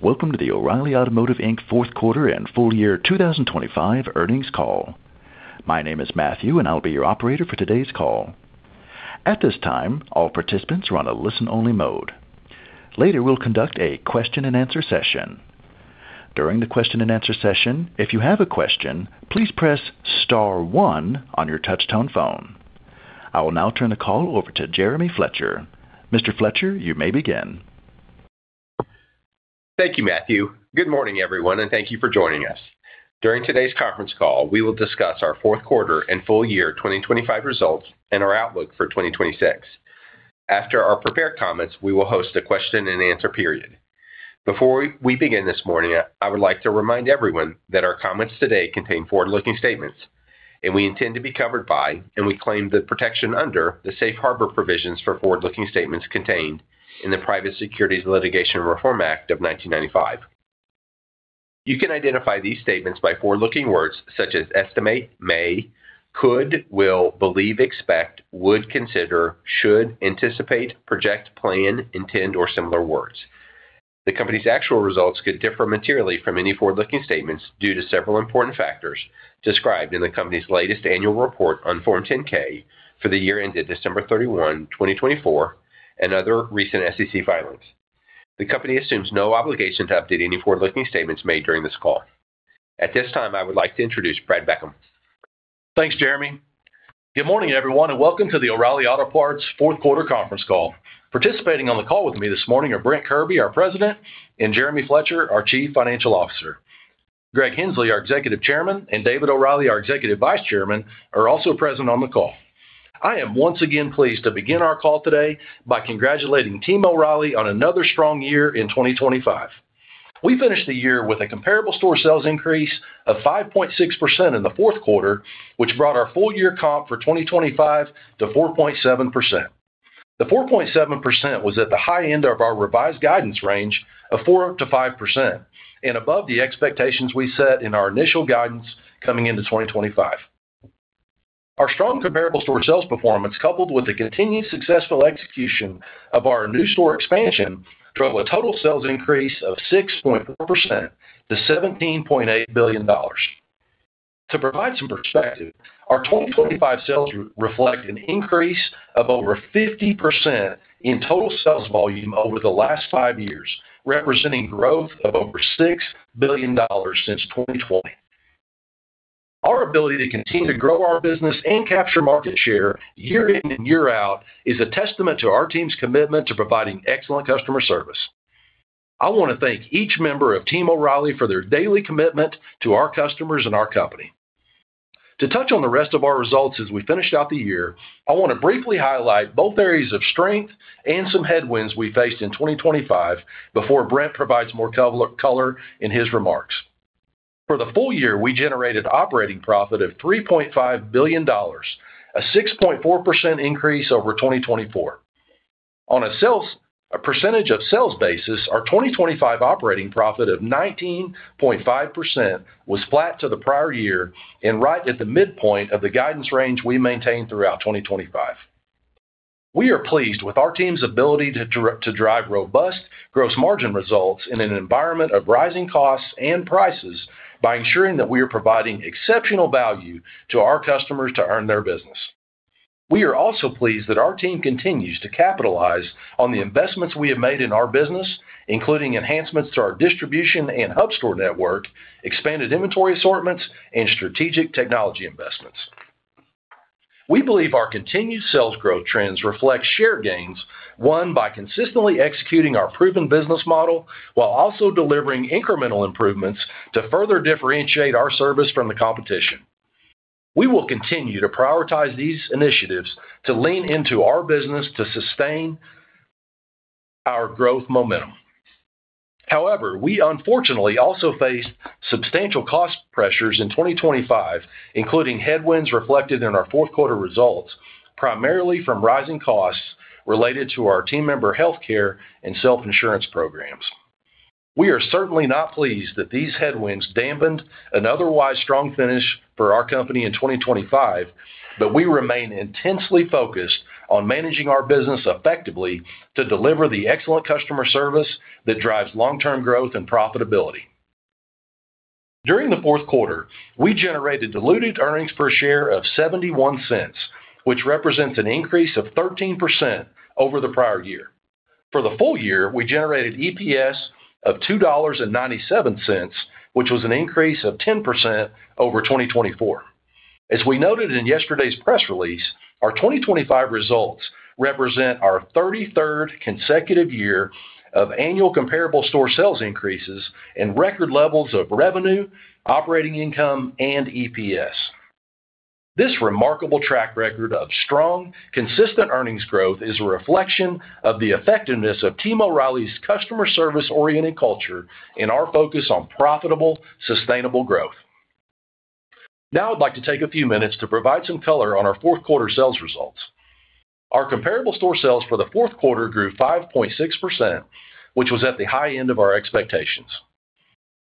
Welcome to the O'Reilly Automotive Inc. fourth quarter and full year 2025 earnings call. My name is Matthew, and I'll be your operator for today's call. At this time, all participants are on a listen-only mode. Later, we'll conduct a question-and-answer session. During the question-and-answer session, if you have a question, please press star 1 on your touch-tone phone. I will now turn the call over to Jeremy Fletcher. Mr. Fletcher, you may begin. Thank you, Matthew. Good morning, everyone, and thank you for joining us. During today's conference call, we will discuss our fourth quarter and full year 2025 results and our outlook for 2026. After our prepared comments, we will host a question-and-answer period. Before we begin this morning, I would like to remind everyone that our comments today contain forward-looking statements, and we intend to be covered by and we claim the protection under the Safe Harbor provisions for forward-looking statements contained in the Private Securities Litigation Reform Act of 1995. You can identify these statements by forward-looking words such as estimate, may, could, will, believe, expect, would consider, should, anticipate, project, plan, intend, or similar words. The company's actual results could differ materially from any forward-looking statements due to several important factors described in the company's latest annual report on Form 10-K for the year ended December 31, 2024, and other recent SEC filings. The company assumes no obligation to update any forward-looking statements made during this call. At this time, I would like to introduce Brad Beckham. Thanks, Jeremy. Good morning, everyone, and welcome to the O'Reilly Auto Parts fourth quarter conference call. Participating on the call with me this morning are Brent Kirby, our President, and Jeremy Fletcher, our Chief Financial Officer. Greg Henslee, our Executive Chairman, and David O'Reilly, our Executive Vice Chairman, are also present on the call. I am once again pleased to begin our call today by congratulating Team O'Reilly on another strong year in 2025. We finished the year with a comparable store sales increase of 5.6% in the fourth quarter, which brought our full year comp for 2025 to 4.7%. The 4.7% was at the high end of our revised guidance range of 4%-5% and above the expectations we set in our initial guidance coming into 2025. Our strong comparable store sales performance, coupled with the continued successful execution of our new store expansion, drove a total sales increase of 6.4% to $17.8 billion. To provide some perspective, our 2025 sales reflect an increase of over 50% in total sales volume over the last five years, representing growth of over $6 billion since 2020. Our ability to continue to grow our business and capture market share year in and year out is a testament to our team's commitment to providing excellent customer service. I want to thank each member of Team O'Reilly for their daily commitment to our customers and our company. To touch on the rest of our results as we finish out the year, I want to briefly highlight both areas of strength and some headwinds we faced in 2025 before Brent provides more color in his remarks. For the full year, we generated operating profit of $3.5 billion, a 6.4% increase over 2024. On a percentage of sales basis, our 2025 operating profit of 19.5% was flat to the prior year and right at the midpoint of the guidance range we maintained throughout 2025. We are pleased with our team's ability to drive robust gross margin results in an environment of rising costs and prices by ensuring that we are providing exceptional value to our customers to earn their business. We are also pleased that our team continues to capitalize on the investments we have made in our business, including enhancements to our distribution and hub store network, expanded inventory assortments, and strategic technology investments. We believe our continued sales growth trends reflect share gains won by consistently executing our proven business model while also delivering incremental improvements to further differentiate our service from the competition. We will continue to prioritize these initiatives to lean into our business to sustain our growth momentum. However, we unfortunately also faced substantial cost pressures in 2025, including headwinds reflected in our fourth quarter results, primarily from rising costs related to our team member healthcare and self-insurance programs. We are certainly not pleased that these headwinds dampened an otherwise strong finish for our company in 2025, but we remain intensely focused on managing our business effectively to deliver the excellent customer service that drives long-term growth and profitability. During the fourth quarter, we generated diluted earnings per share of $0.71, which represents an increase of 13% over the prior year. For the full year, we generated EPS of $2.97, which was an increase of 10% over 2024. As we noted in yesterday's press release, our 2025 results represent our 33rd consecutive year of annual comparable store sales increases and record levels of revenue, operating income, and EPS. This remarkable track record of strong, consistent earnings growth is a reflection of the effectiveness of Team O'Reilly's customer service-oriented culture and our focus on profitable, sustainable growth. Now I'd like to take a few minutes to provide some color on our fourth quarter sales results. Our comparable store sales for the fourth quarter grew 5.6%, which was at the high end of our expectations.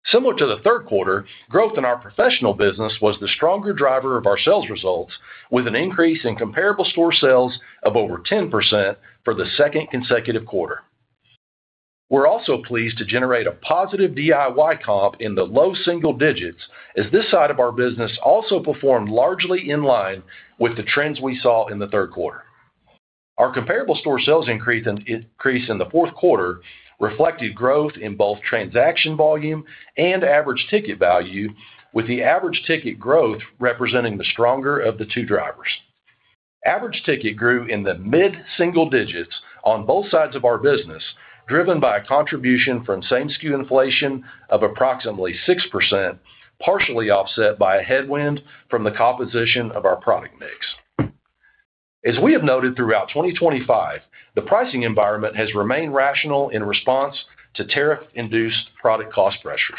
Similar to the third quarter, growth in our professional business was the stronger driver of our sales results, with an increase in comparable store sales of over 10% for the second consecutive quarter. We're also pleased to generate a positive DIY comp in the low single digits, as this side of our business also performed largely in line with the trends we saw in the third quarter. Our comparable store sales increase in the fourth quarter reflected growth in both transaction volume and average ticket value, with the average ticket growth representing the stronger of the two drivers. Average ticket grew in the mid-single digits on both sides of our business, driven by a contribution from same-SKU inflation of approximately 6%, partially offset by a headwind from the composition of our product mix. As we have noted throughout 2025, the pricing environment has remained rational in response to tariff-induced product cost pressures.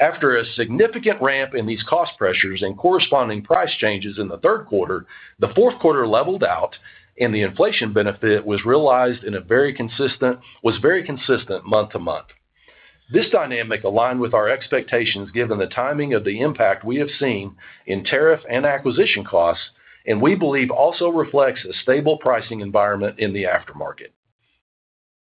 After a significant ramp in these cost pressures and corresponding price changes in the third quarter, the fourth quarter leveled out, and the inflation benefit was realized in a very consistent month-to-month. This dynamic aligned with our expectations given the timing of the impact we have seen in tariff and acquisition costs, and we believe also reflects a stable pricing environment in the aftermarket.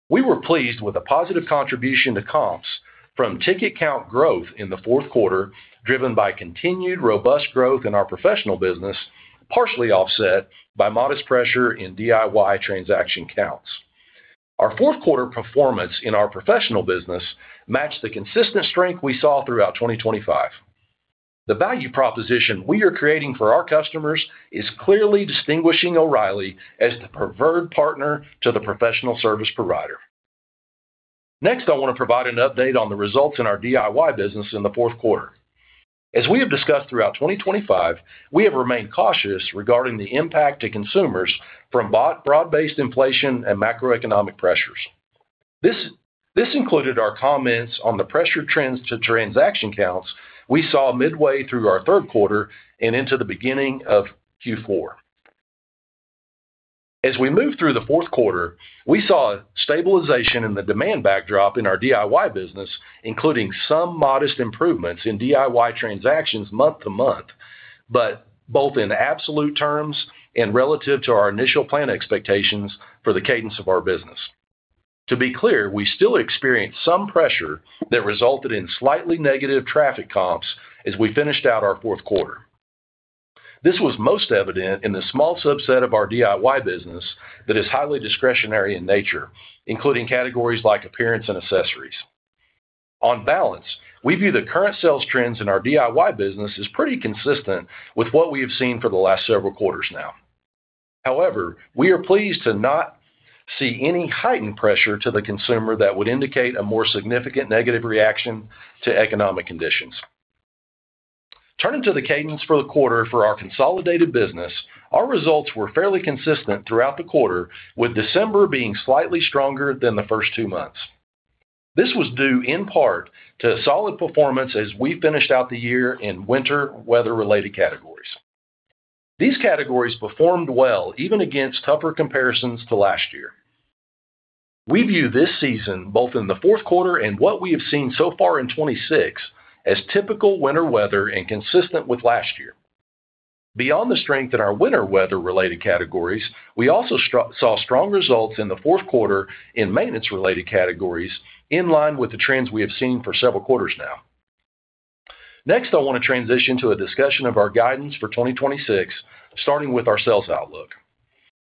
We were pleased with a positive contribution to comps from ticket count growth in the fourth quarter, driven by continued robust growth in our professional business, partially offset by modest pressure in DIY transaction counts. Our fourth quarter performance in our professional business matched the consistent strength we saw throughout 2025. The value proposition we are creating for our customers is clearly distinguishing O'Reilly as the preferred partner to the professional service provider. Next, I want to provide an update on the results in our DIY business in the fourth quarter. As we have discussed throughout 2025, we have remained cautious regarding the impact to consumers from broad-based inflation and macroeconomic pressures. This included our comments on the pressured trends to transaction counts we saw midway through our third quarter and into the beginning of Q4. As we move through the fourth quarter, we saw stabilization in the demand backdrop in our DIY business, including some modest improvements in DIY transactions month-to-month, but both in absolute terms and relative to our initial plan expectations for the cadence of our business. To be clear, we still experienced some pressure that resulted in slightly negative traffic comps as we finished out our fourth quarter. This was most evident in the small subset of our DIY business that is highly discretionary in nature, including categories like appearance and accessories. On balance, we view the current sales trends in our DIY business as pretty consistent with what we have seen for the last several quarters now. However, we are pleased to not see any heightened pressure to the consumer that would indicate a more significant negative reaction to economic conditions. Turning to the cadence for the quarter for our consolidated business, our results were fairly consistent throughout the quarter, with December being slightly stronger than the first two months. This was due in part to solid performance as we finished out the year in winter weather-related categories. These categories performed well even against tougher comparisons to last year. We view this season, both in the fourth quarter and what we have seen so far in 2026, as typical winter weather and consistent with last year. Beyond the strength in our winter weather-related categories, we also saw strong results in the fourth quarter in maintenance-related categories, in line with the trends we have seen for several quarters now. Next, I want to transition to a discussion of our guidance for 2026, starting with our sales outlook.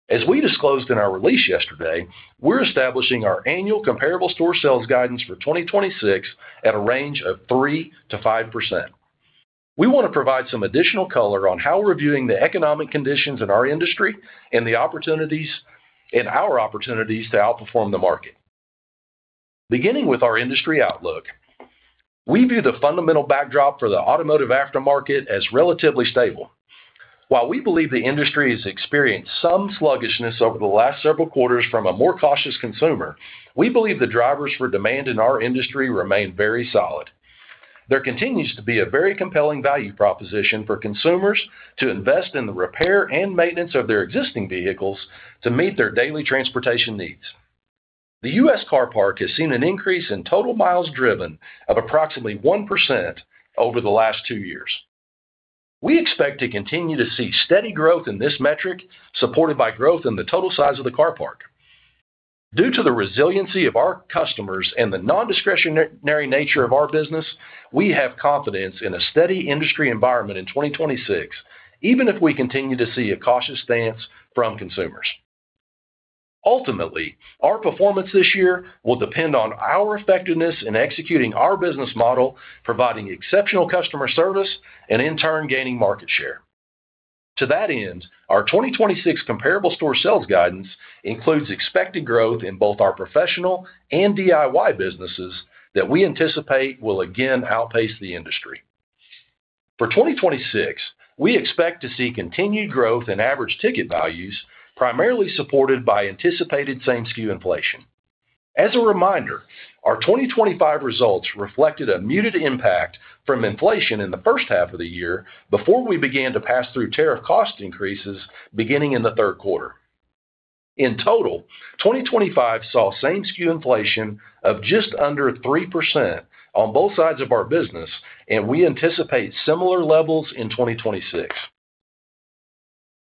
As we disclosed in our release yesterday, we're establishing our annual comparable store sales guidance for 2026 at a range of 3%-5%. We want to provide some additional color on how we're viewing the economic conditions in our industry and our opportunities to outperform the market. Beginning with our industry outlook, we view the fundamental backdrop for the automotive aftermarket as relatively stable. While we believe the industry has experienced some sluggishness over the last several quarters from a more cautious consumer, we believe the drivers for demand in our industry remain very solid. There continues to be a very compelling value proposition for consumers to invest in the repair and maintenance of their existing vehicles to meet their daily transportation needs. The U.S. car park has seen an increase in total miles driven of approximately 1% over the last two years. We expect to continue to see steady growth in this metric, supported by growth in the total size of the car park. Due to the resiliency of our customers and the nondiscretionary nature of our business, we have confidence in a steady industry environment in 2026, even if we continue to see a cautious stance from consumers. Ultimately, our performance this year will depend on our effectiveness in executing our business model, providing exceptional customer service, and in turn gaining market share. To that end, our 2026 comparable store sales guidance includes expected growth in both our professional and DIY businesses that we anticipate will again outpace the industry. For 2026, we expect to see continued growth in average ticket values, primarily supported by anticipated same-SKU inflation. As a reminder, our 2025 results reflected a muted impact from inflation in the first half of the year before we began to pass through tariff cost increases beginning in the third quarter. In total, 2025 saw same-SKU inflation of just under 3% on both sides of our business, and we anticipate similar levels in 2026.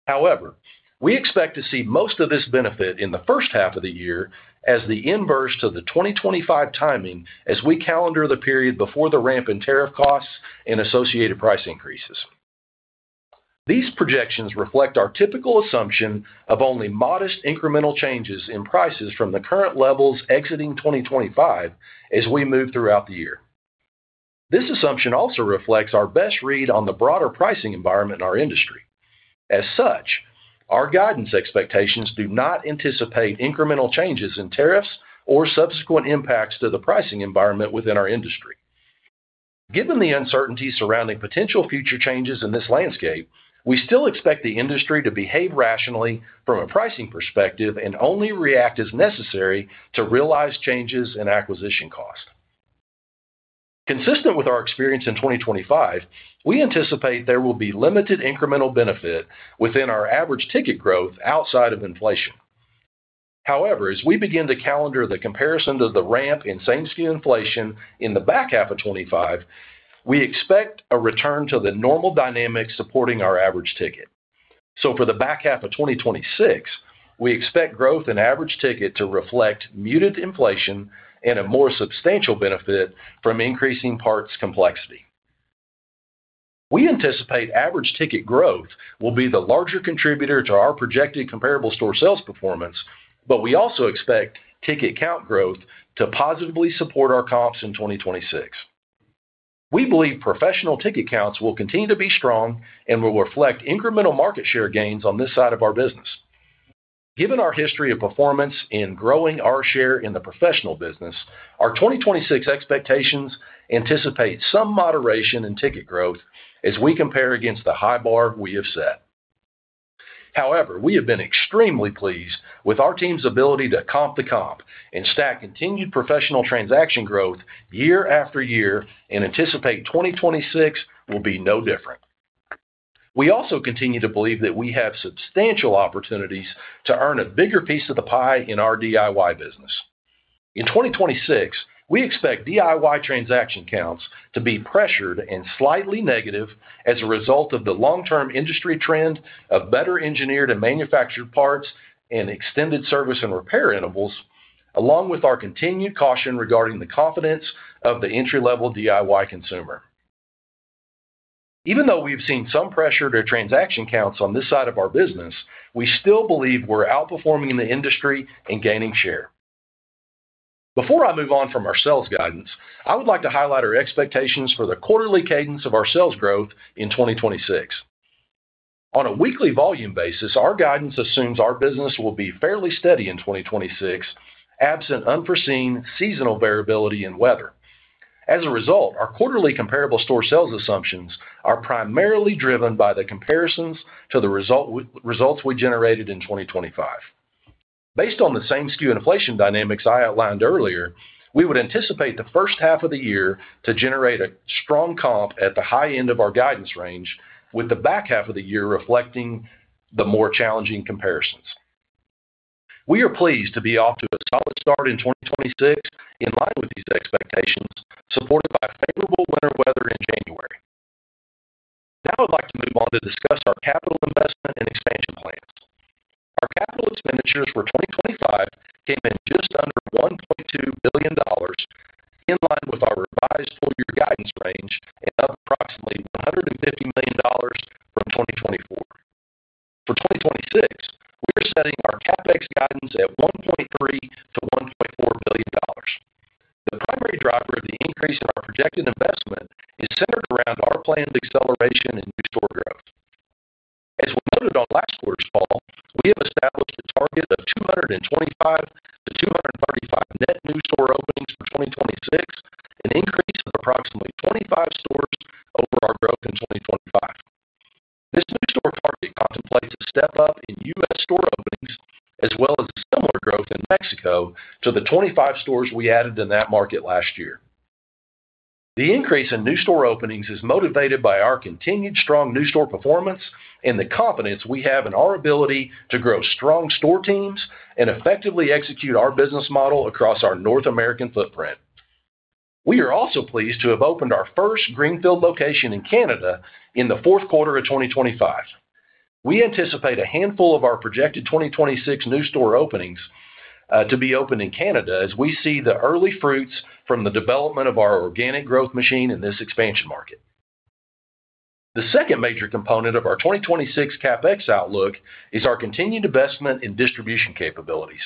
However, we expect to see most of this benefit in the first half of the year as the inverse to the 2025 timing, as we calendar the period before the ramp in tariff costs and associated price increases. These projections reflect our typical assumption of only modest incremental changes in prices from the current levels exiting 2025 as we move throughout the year. This assumption also reflects our best read on the broader pricing environment in our industry. As such, our guidance expectations do not anticipate incremental changes in tariffs or subsequent impacts to the pricing environment within our industry. Given the uncertainty surrounding potential future changes in this landscape, we still expect the industry to behave rationally from a pricing perspective and only react as necessary to realize changes in acquisition costs. Consistent with our experience in 2025, we anticipate there will be limited incremental benefit within our average ticket growth outside of inflation. However, as we begin to calendar the comparison to the ramp in same-SKU inflation in the back half of 2025, we expect a return to the normal dynamics supporting our average ticket. So for the back half of 2026, we expect growth in average ticket to reflect muted inflation and a more substantial benefit from increasing parts complexity. We anticipate average ticket growth will be the larger contributor to our projected comparable store sales performance, but we also expect ticket count growth to positively support our comps in 2026. We believe professional ticket counts will continue to be strong and will reflect incremental market share gains on this side of our business. Given our history of performance in growing our share in the professional business, our 2026 expectations anticipate some moderation in ticket growth as we compare against the high bar we have set. However, we have been extremely pleased with our team's ability to comp the comp and stack continued professional transaction growth year after year and anticipate 2026 will be no different. We also continue to believe that we have substantial opportunities to earn a bigger piece of the pie in our DIY business. In 2026, we expect DIY transaction counts to be pressured and slightly negative as a result of the long-term industry trend of better engineered and manufactured parts and extended service and repair intervals, along with our continued caution regarding the confidence of the entry-level DIY consumer. Even though we've seen some pressure to transaction counts on this side of our business, we still believe we're outperforming the industry and gaining share. Before I move on from our sales guidance, I would like to highlight our expectations for the quarterly cadence of our sales growth in 2026. On a weekly volume basis, our guidance assumes our business will be fairly steady in 2026, absent unforeseen seasonal variability in weather. As a result, our quarterly comparable store sales assumptions are primarily driven by the comparisons to the results we generated in 2025. Based on the same-SKU inflation dynamics I outlined earlier, we would anticipate the first half of the year to generate a strong comp at the high end of our guidance range, with the back half of the year reflecting the more challenging comparisons. We are pleased to be off to a solid start in 2026 in line with these expectations, supported by favorable winter weather in January. Now I'd like to move on to discuss our capital investment and expansion plans. Our capital expenditures for 2025 came in just under $1.2 billion, in line with our revised full-year guidance range and of approximately $150 million from 2024. For 2026, we are setting our CapEx guidance at $1.3-$1.4 billion. The primary driver of the increase in our projected investment is centered around our planned acceleration in new store growth. As we noted on last quarter's call, we have established a target of 225-235 net new store openings for 2026, an increase of approximately 25 stores over our growth in 2025. This new store target contemplates a step up in U.S. store openings as well as similar growth in Mexico to the 25 stores we added in that market last year. The increase in new store openings is motivated by our continued strong new store performance and the confidence we have in our ability to grow strong store teams and effectively execute our business model across our North American footprint. We are also pleased to have opened our first greenfield location in Canada in the fourth quarter of 2025. We anticipate a handful of our projected 2026 new store openings to be opened in Canada as we see the early fruits from the development of our organic growth machine in this expansion market. The second major component of our 2026 CapEx outlook is our continued investment in distribution capabilities.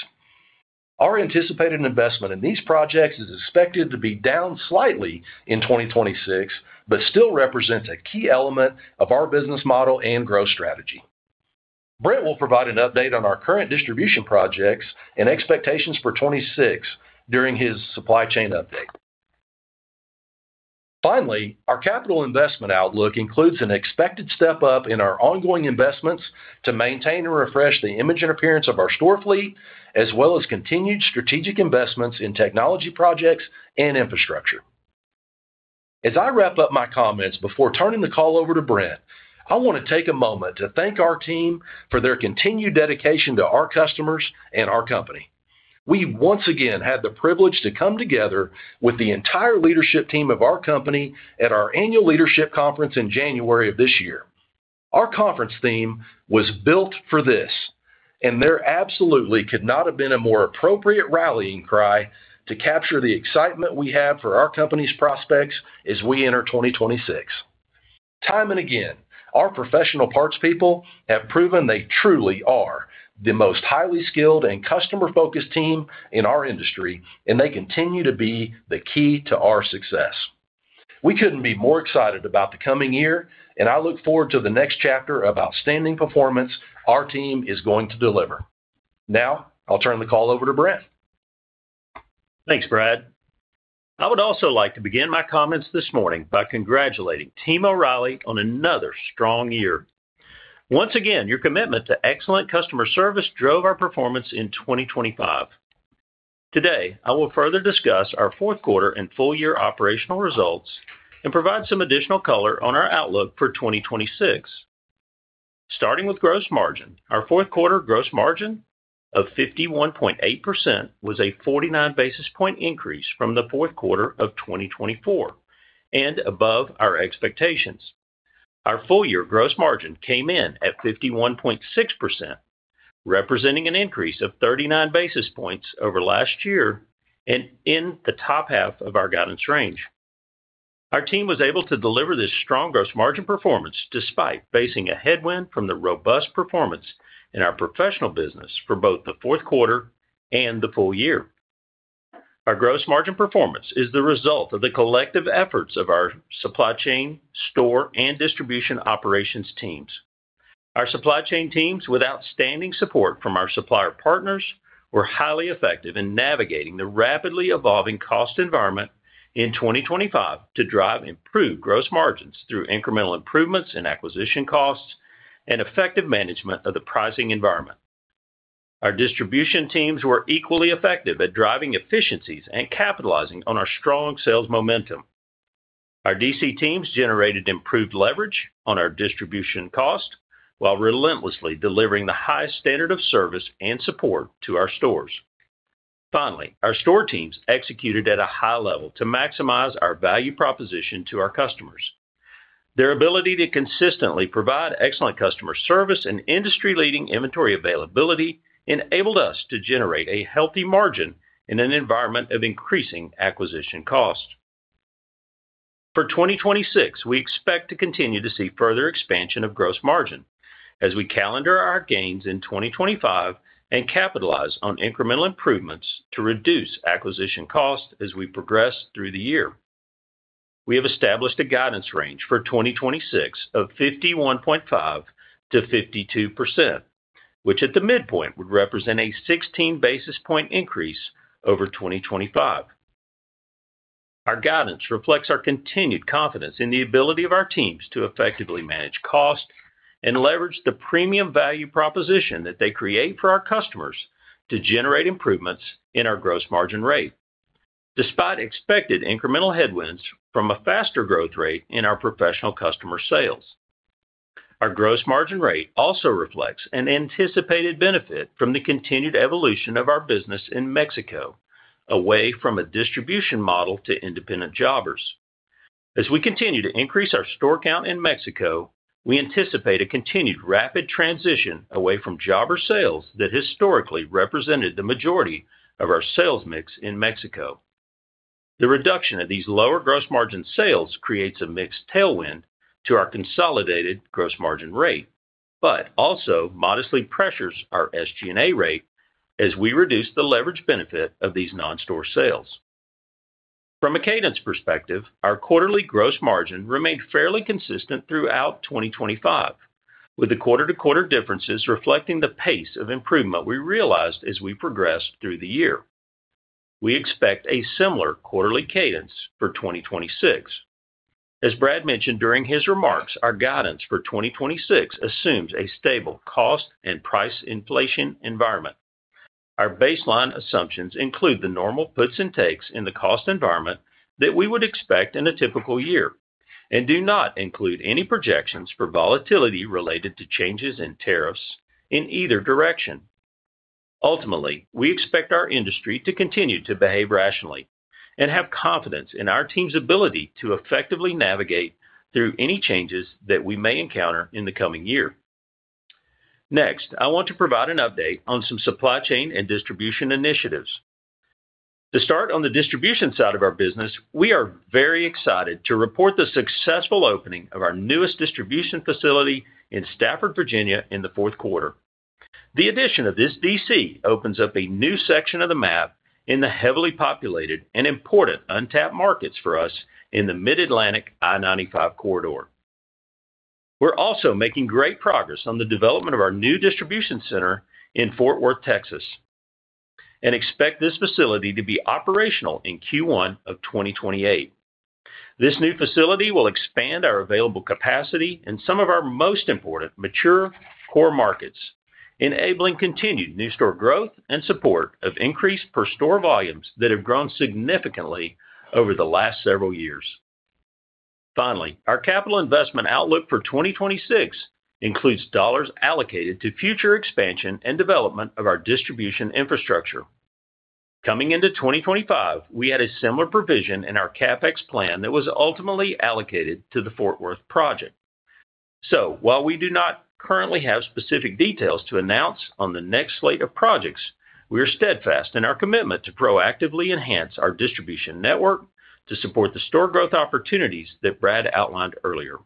Our anticipated investment in these projects is expected to be down slightly in 2026 but still represents a key element of our business model and growth strategy. Brent will provide an update on our current distribution projects and expectations for 2026 during his supply chain update. Finally, our capital investment outlook includes an expected step up in our ongoing investments to maintain and refresh the image and appearance of our store fleet, as well as continued strategic investments in technology projects and infrastructure. As I wrap up my comments before turning the call over to Brent, I want to take a moment to thank our team for their continued dedication to our customers and our company. We once again had the privilege to come together with the entire leadership team of our company at our annual leadership conference in January of this year. Our conference theme was "Built for This," and there absolutely could not have been a more appropriate rallying cry to capture the excitement we have for our company's prospects as we enter 2026. Time and again, our Professional Parts People have proven they truly are the most highly skilled and customer-focused team in our industry, and they continue to be the key to our success. We couldn't be more excited about the coming year, and I look forward to the next chapter of outstanding performance our team is going to deliver. Now I'll turn the call over to Brent. Thanks, Brad. I would also like to begin my comments this morning by congratulating Team O'Reilly on another strong year. Once again, your commitment to excellent customer service drove our performance in 2025. Today, I will further discuss our fourth quarter and full-year operational results and provide some additional color on our outlook for 2026. Starting with gross margin, our fourth quarter gross margin of 51.8% was a 49 basis point increase from the fourth quarter of 2024 and above our expectations. Our full-year gross margin came in at 51.6%, representing an increase of 39 basis points over last year and in the top half of our guidance range. Our team was able to deliver this strong gross margin performance despite facing a headwind from the robust performance in our professional business for both the fourth quarter and the full year. Our gross margin performance is the result of the collective efforts of our supply chain, store, and distribution operations teams. Our supply chain teams, with outstanding support from our supplier partners, were highly effective in navigating the rapidly evolving cost environment in 2025 to drive improved gross margins through incremental improvements in acquisition costs and effective management of the pricing environment. Our distribution teams were equally effective at driving efficiencies and capitalizing on our strong sales momentum. Our DC teams generated improved leverage on our distribution cost while relentlessly delivering the highest standard of service and support to our stores. Finally, our store teams executed at a high level to maximize our value proposition to our customers. Their ability to consistently provide excellent customer service and industry-leading inventory availability enabled us to generate a healthy margin in an environment of increasing acquisition cost. For 2026, we expect to continue to see further expansion of gross margin as we calendar our gains in 2025 and capitalize on incremental improvements to reduce acquisition costs as we progress through the year. We have established a guidance range for 2026 of 51.5%-52%, which at the midpoint would represent a 16 basis point increase over 2025. Our guidance reflects our continued confidence in the ability of our teams to effectively manage cost and leverage the premium value proposition that they create for our customers to generate improvements in our gross margin rate, despite expected incremental headwinds from a faster growth rate in our professional customer sales. Our gross margin rate also reflects an anticipated benefit from the continued evolution of our business in Mexico, away from a distribution model to independent jobbers. As we continue to increase our store count in Mexico, we anticipate a continued rapid transition away from jobber sales that historically represented the majority of our sales mix in Mexico. The reduction of these lower gross margin sales creates a mixed tailwind to our consolidated gross margin rate, but also modestly pressures our SG&A rate as we reduce the leverage benefit of these non-store sales. From a cadence perspective, our quarterly gross margin remained fairly consistent throughout 2025, with the quarter-to-quarter differences reflecting the pace of improvement we realized as we progressed through the year. We expect a similar quarterly cadence for 2026. As Brad mentioned during his remarks, our guidance for 2026 assumes a stable cost and price inflation environment. Our baseline assumptions include the normal puts and takes in the cost environment that we would expect in a typical year and do not include any projections for volatility related to changes in tariffs in either direction. Ultimately, we expect our industry to continue to behave rationally and have confidence in our team's ability to effectively navigate through any changes that we may encounter in the coming year. Next, I want to provide an update on some supply chain and distribution initiatives. To start on the distribution side of our business, we are very excited to report the successful opening of our newest distribution facility in Stafford, Virginia, in the fourth quarter. The addition of this DC opens up a new section of the map in the heavily populated and important untapped markets for us in the Mid-Atlantic I-95 Corridor. We're also making great progress on the development of our new distribution center in Fort Worth, Texas, and expect this facility to be operational in Q1 of 2028. This new facility will expand our available capacity in some of our most important mature core markets, enabling continued new store growth and support of increased per-store volumes that have grown significantly over the last several years. Finally, our capital investment outlook for 2026 includes dollars allocated to future expansion and development of our distribution infrastructure. Coming into 2025, we had a similar provision in our CapEx plan that was ultimately allocated to the Fort Worth project. While we do not currently have specific details to announce on the next slate of projects, we are steadfast in our commitment to proactively enhance our distribution network to support the store growth opportunities that Brad outlined earlier.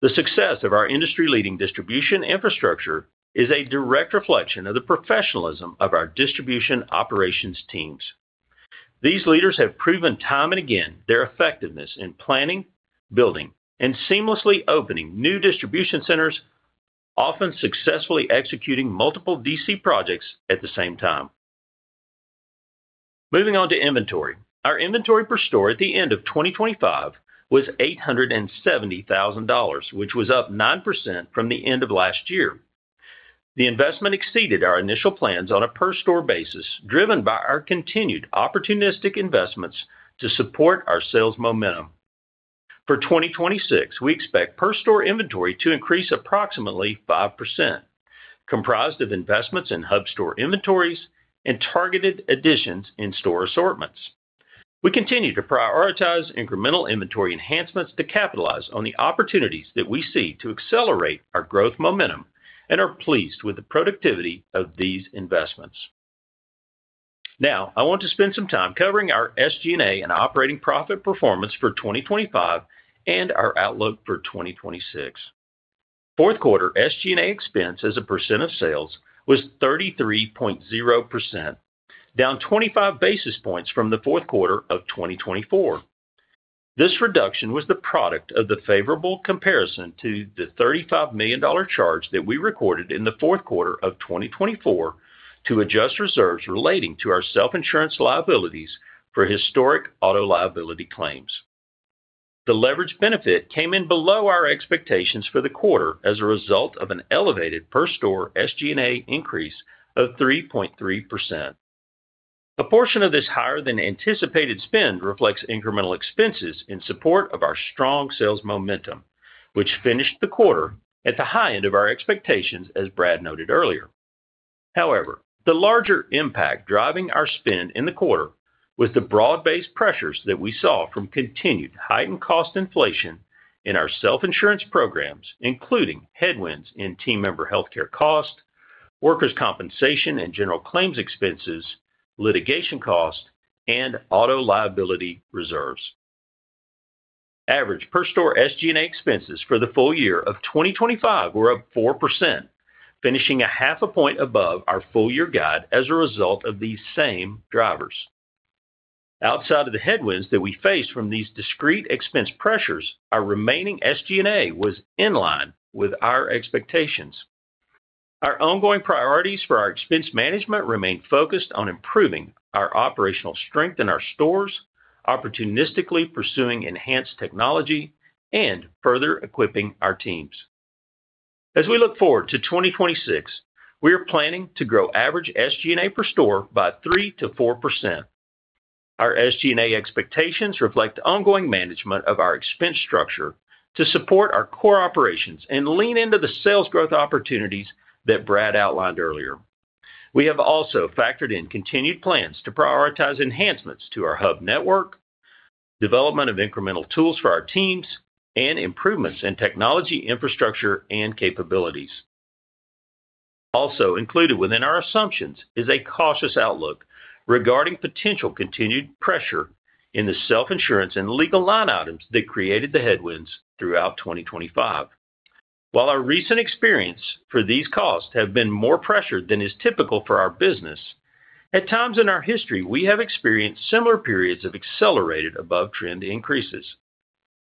The success of our industry-leading distribution infrastructure is a direct reflection of the professionalism of our distribution operations teams. These leaders have proven time and again their effectiveness in planning, building, and seamlessly opening new distribution centers, often successfully executing multiple DC projects at the same time. Moving on to inventory, our inventory per store at the end of 2025 was $870,000, which was up 9% from the end of last year. The investment exceeded our initial plans on a per-store basis, driven by our continued opportunistic investments to support our sales momentum. For 2026, we expect per-store inventory to increase approximately 5%, comprised of investments in hub store inventories and targeted additions in store assortments. We continue to prioritize incremental inventory enhancements to capitalize on the opportunities that we see to accelerate our growth momentum and are pleased with the productivity of these investments. Now I want to spend some time covering our SG&A and operating profit performance for 2025 and our outlook for 2026. Fourth quarter SG&A expense as a percent of sales was 33.0%, down 25 basis points from the fourth quarter of 2024. This reduction was the product of the favorable comparison to the $35 million charge that we recorded in the fourth quarter of 2024 to adjust reserves relating to our self-insurance liabilities for historic auto liability claims. The leverage benefit came in below our expectations for the quarter as a result of an elevated per-store SG&A increase of 3.3%. A portion of this higher-than-anticipated spend reflects incremental expenses in support of our strong sales momentum, which finished the quarter at the high end of our expectations, as Brad noted earlier. However, the larger impact driving our spend in the quarter was the broad-based pressures that we saw from continued heightened cost inflation in our self-insurance programs, including headwinds in team member healthcare cost, workers' compensation and general claims expenses, litigation cost, and auto liability reserves. Average per-store SG&A expenses for the full year of 2025 were up 4%, finishing 0.5 point above our full-year guide as a result of these same drivers. Outside of the headwinds that we faced from these discrete expense pressures, our remaining SG&A was in line with our expectations. Our ongoing priorities for our expense management remain focused on improving our operational strength in our stores, opportunistically pursuing enhanced technology, and further equipping our teams. As we look forward to 2026, we are planning to grow average SG&A per store by 3%-4%. Our SG&A expectations reflect ongoing management of our expense structure to support our core operations and lean into the sales growth opportunities that Brad outlined earlier. We have also factored in continued plans to prioritize enhancements to our hub network, development of incremental tools for our teams, and improvements in technology infrastructure and capabilities. Also included within our assumptions is a cautious outlook regarding potential continued pressure in the self-insurance and legal line items that created the headwinds throughout 2025. While our recent experience for these costs has been more pressured than is typical for our business, at times in our history, we have experienced similar periods of accelerated above-trend increases.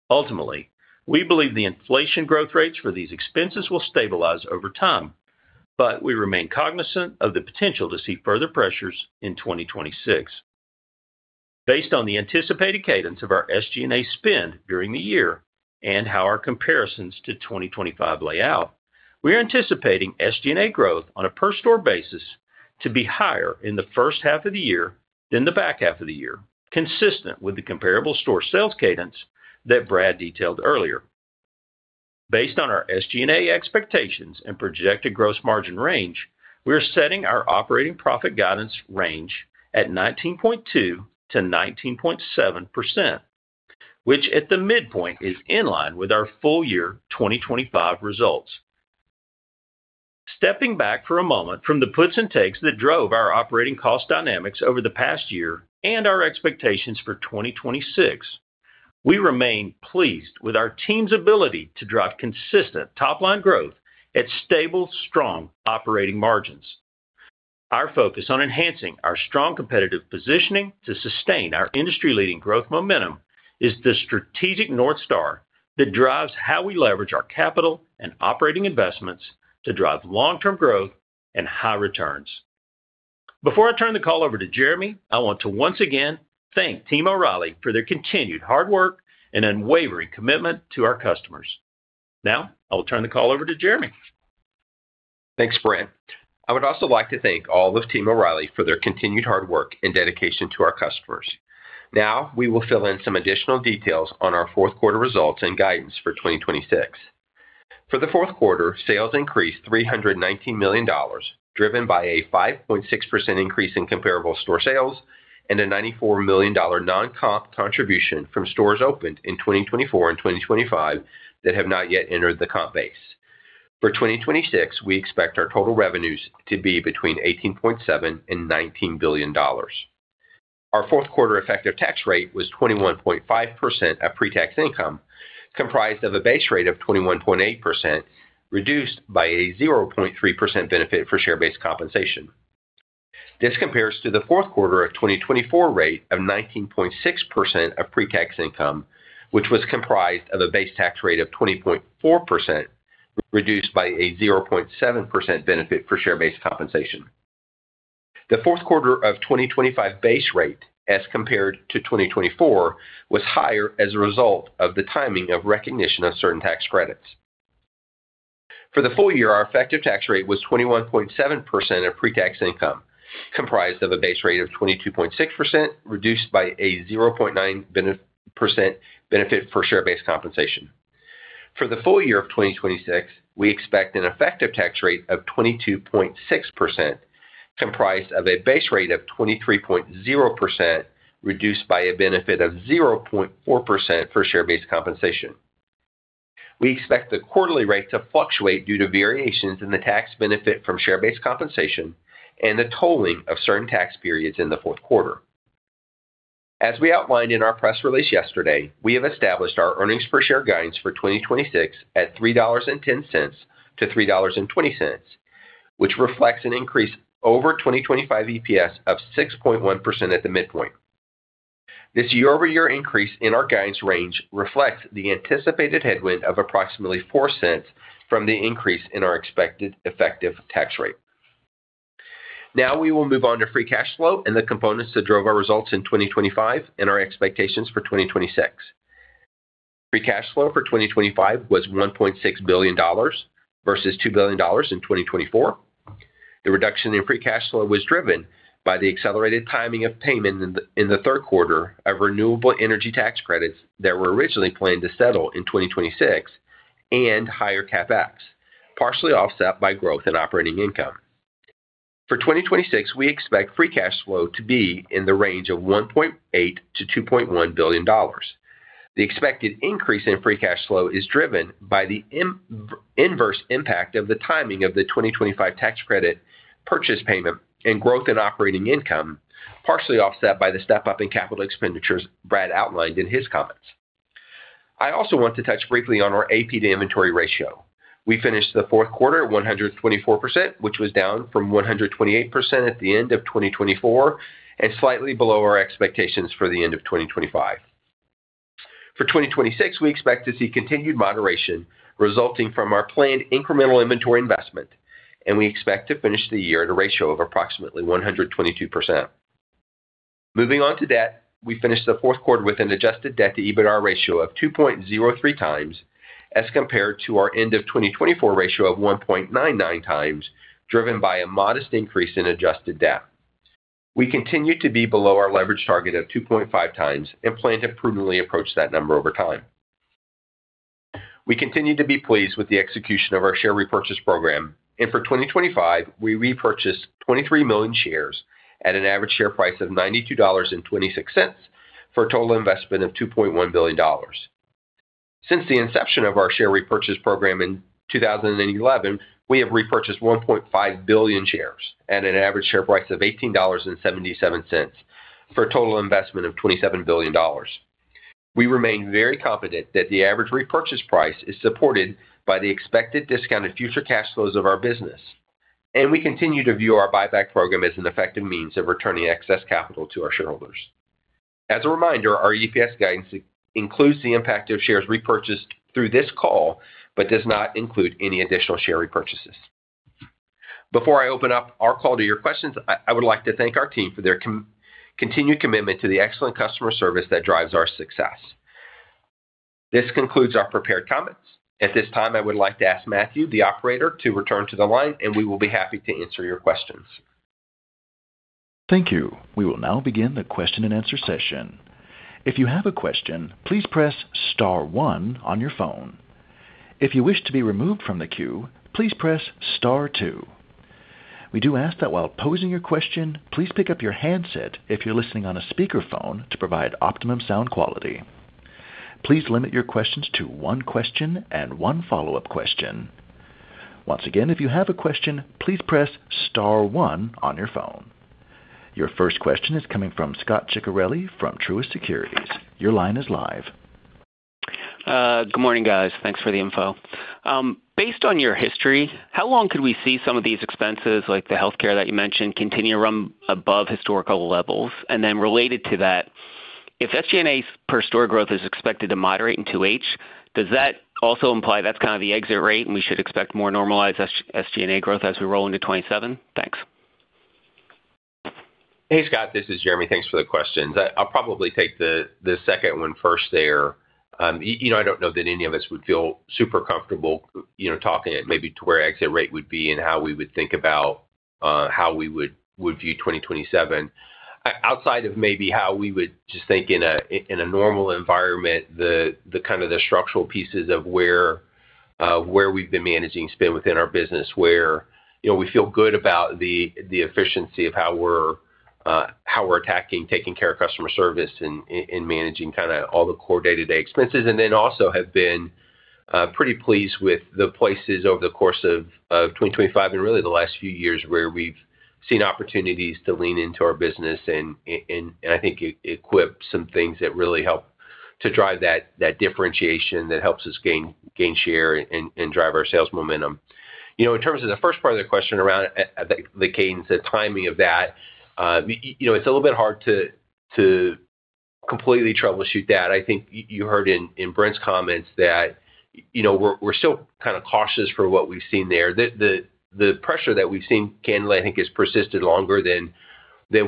Ultimately, we believe the inflation growth rates for these expenses will stabilize over time, but we remain cognizant of the potential to see further pressures in 2026. Based on the anticipated cadence of our SG&A spend during the year and how our comparisons to 2025 lay out, we are anticipating SG&A growth on a per-store basis to be higher in the first half of the year than the back half of the year, consistent with the comparable store sales cadence that Brad detailed earlier. Based on our SG&A expectations and projected gross margin range, we are setting our operating profit guidance range at 19.2%-19.7%, which at the midpoint is in line with our full-year 2025 results. Stepping back for a moment from the puts and takes that drove our operating cost dynamics over the past year and our expectations for 2026, we remain pleased with our team's ability to drive consistent top-line growth at stable, strong operating margins. Our focus on enhancing our strong competitive positioning to sustain our industry-leading growth momentum is the strategic North Star that drives how we leverage our capital and operating investments to drive long-term growth and high returns. Before I turn the call over to Jeremy, I want to once again thank Team O'Reilly for their continued hard work and unwavering commitment to our customers. Now I will turn the call over to Jeremy. Thanks, Brent. I would also like to thank all of Team O'Reilly for their continued hard work and dedication to our customers. Now we will fill in some additional details on our fourth quarter results and guidance for 2026. For the fourth quarter, sales increased $319 million, driven by a 5.6% increase in comparable store sales and a $94 million non-comp contribution from stores opened in 2024 and 2025 that have not yet entered the comp base. For 2026, we expect our total revenues to be between $18.7 billion and $19 billion. Our fourth quarter effective tax rate was 21.5% of pre-tax income, comprised of a base rate of 21.8% reduced by a 0.3% benefit for share-based compensation. This compares to the fourth quarter of 2024 rate of 19.6% of pre-tax income, which was comprised of a base tax rate of 20.4% reduced by a 0.7% benefit for share-based compensation. The fourth quarter of 2025 base rate as compared to 2024 was higher as a result of the timing of recognition of certain tax credits. For the full year, our effective tax rate was 21.7% of pre-tax income, comprised of a base rate of 22.6% reduced by a 0.9% benefit for share-based compensation. For the full year of 2026, we expect an effective tax rate of 22.6%, comprised of a base rate of 23.0% reduced by a benefit of 0.4% for share-based compensation. We expect the quarterly rate to fluctuate due to variations in the tax benefit from share-based compensation and the tolling of certain tax periods in the fourth quarter. As we outlined in our press release yesterday, we have established our earnings per share guidance for 2026 at $3.10-$3.20, which reflects an increase over 2025 EPS of 6.1% at the midpoint. This year-over-year increase in our guidance range reflects the anticipated headwind of approximately $0.04 from the increase in our expected effective tax rate. Now we will move on to free cash flow and the components that drove our results in 2025 and our expectations for 2026. Free cash flow for 2025 was $1.6 billion versus $2 billion in 2024. The reduction in free cash flow was driven by the accelerated timing of payment in the third quarter of renewable energy tax credits that were originally planned to settle in 2026 and higher CapEx, partially offset by growth in operating income. For 2026, we expect free cash flow to be in the range of $1.8-$2.1 billion. The expected increase in free cash flow is driven by the inverse impact of the timing of the 2025 tax credit purchase payment and growth in operating income, partially offset by the step-up in capital expenditures Brad outlined in his comments. I also want to touch briefly on our AP to inventory ratio. We finished the fourth quarter at 124%, which was down from 128% at the end of 2024 and slightly below our expectations for the end of 2025. For 2026, we expect to see continued moderation resulting from our planned incremental inventory investment, and we expect to finish the year at a ratio of approximately 122%. Moving on to debt, we finished the fourth quarter with an adjusted debt to EBITDA ratio of 2.03 times as compared to our end-of-2024 ratio of 1.99 times, driven by a modest increase in adjusted debt. We continue to be below our leverage target of 2.5x and plan to prudently approach that number over time. We continue to be pleased with the execution of our share repurchase program, and for 2025, we repurchased 23 million shares at an average share price of $92.26 for a total investment of $2.1 billion. Since the inception of our share repurchase program in 2011, we have repurchased 1.5 billion shares at an average share price of $18.77 for a total investment of $27 billion. We remain very confident that the average repurchase price is supported by the expected discounted future cash flows of our business, and we continue to view our buyback program as an effective means of returning excess capital to our shareholders. As a reminder, our EPS guidance includes the impact of shares repurchased through this call but does not include any additional share repurchases. Before I open up our call to your questions, I would like to thank our team for their continued commitment to the excellent customer service that drives our success. This concludes our prepared comments. At this time, I would like to ask Matthew, the operator, to return to the line, and we will be happy to answer your questions. Thank you. We will now begin the question and answer session. If you have a question, please press star one on your phone. If you wish to be removed from the queue, please press star two. We do ask that while posing your question, please pick up your handset if you're listening on a speakerphone to provide optimum sound quality. Please limit your questions to one question and one follow-up question. Once again, if you have a question, please press star one on your phone. Your first question is coming from Scott Ciccarelli from Truist Securities. Your line is live. Good morning, guys. Thanks for the info. Based on your history, how long could we see some of these expenses, like the healthcare that you mentioned, continue to run above historical levels? And then related to that, if SG&A per store growth is expected to moderate in 2H, does that also imply that's kind of the exit rate and we should expect more normalized SG&A growth as we roll into 2027? Thanks. Hey, Scot. This is Jeremy. Thanks for the questions. I'll probably take the second one first there. I don't know that any of us would feel super comfortable talking maybe to where exit rate would be and how we would think about how we would view 2027. Outside of maybe how we would just think in a normal environment, the kind of the structural pieces of where we've been managing spend within our business, where we feel good about the efficiency of how we're attacking, taking care of customer service, and managing kind of all the core day-to-day expenses, and then also have been pretty pleased with the places over the course of 2025 and really the last few years where we've seen opportunities to lean into our business and I think equip some things that really help to drive that differentiation that helps us gain share and drive our sales momentum. In terms of the first part of the question around the cadence, the timing of that, it's a little bit hard to completely troubleshoot that. I think you heard in Brent's comments that we're still kind of cautious for what we've seen there. The pressure that we've seen, and all, I think, has persisted longer than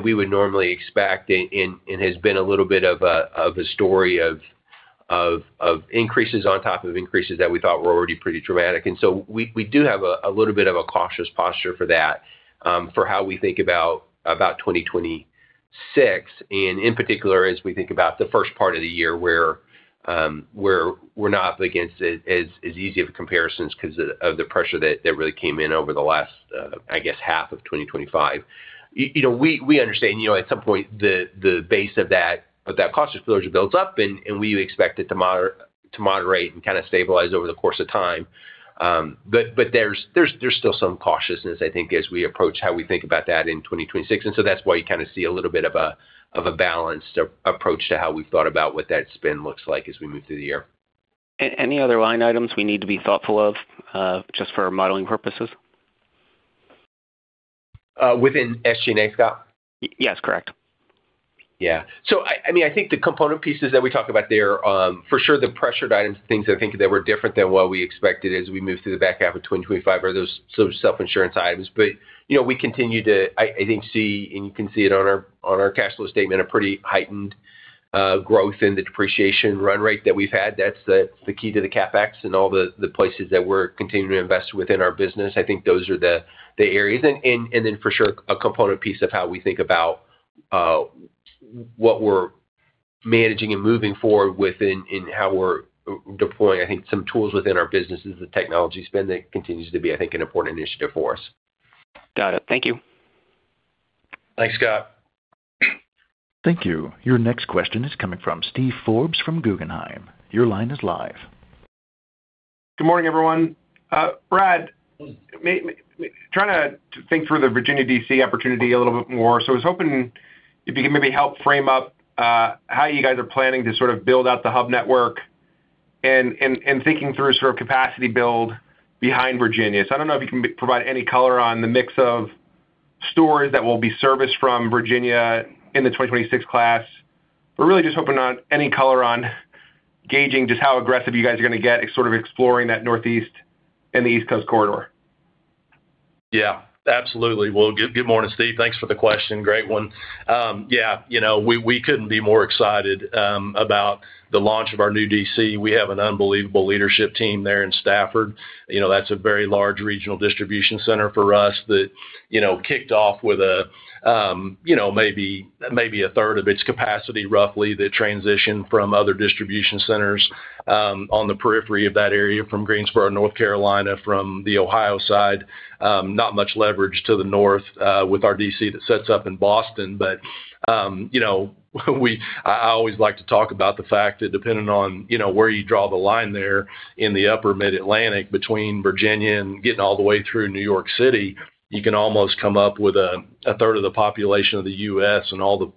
we would normally expect and has been a little bit of a story of increases on top of increases that we thought were already pretty dramatic. So we do have a little bit of a cautious posture for that, for how we think about 2026, and in particular, as we think about the first part of the year where we're not up against as easy of a comparison because of the pressure that really came in over the last, I guess, half of 2025. We understand at some point the base of that cost inflation builds up, and we expect it to moderate and kind of stabilize over the course of time. There's still some cautiousness, I think, as we approach how we think about that in 2026. And so that's why you kind of see a little bit of a balanced approach to how we've thought about what that spend looks like as we move through the year. Any other line items we need to be thoughtful of just for modeling purposes? Within SG&A, Scot? Yes, correct. Yeah. So I mean, I think the component pieces that we talked about there, for sure, the pressured items, the things I think that were different than what we expected as we move through the back half of 2025 are those self-insurance items. But we continue to, I think, see, and you can see it on our cash flow statement, a pretty heightened growth in the depreciation run rate that we've had. That's the key to the CapEx and all the places that we're continuing to invest within our business. I think those are the areas. And then for sure, a component piece of how we think about what we're managing and moving forward within and how we're deploying, I think, some tools within our business is the technology spend that continues to be, I think, an important initiative for us. Got it. Thank you. Thanks, Scott. Thank you. Your next question is coming from Steve Forbes from Guggenheim. Your line is live. Good morning, everyone. Brad, trying to think through the Virginia DC opportunity a little bit more. So I was hoping if you could maybe help frame up how you guys are planning to sort of build out the hub network and thinking through sort of capacity build behind Virginia. So I don't know if you can provide any color on the mix of stores that will be serviced from Virginia in the 2026 class. But really just hoping on any color on gauging just how aggressive you guys are going to get sort of exploring that northeast and the East Coast corridor. Yeah, absolutely. Well, good morning, Steve. Thanks for the question. Great one. Yeah, we couldn't be more excited about the launch of our new DC. We have an unbelievable leadership team there in Stafford. That's a very large regional distribution center for us that kicked off with maybe a third of its capacity, roughly, that transitioned from other distribution centers on the periphery of that area, from Greensboro, North Carolina, from the Ohio side, not much leverage to the north with our DC that sets up in Boston. But I always like to talk about the fact that depending on where you draw the line there in the upper Mid-Atlantic between Virginia and getting all the way through New York City, you can almost come up with a third of the population of the U.S. and all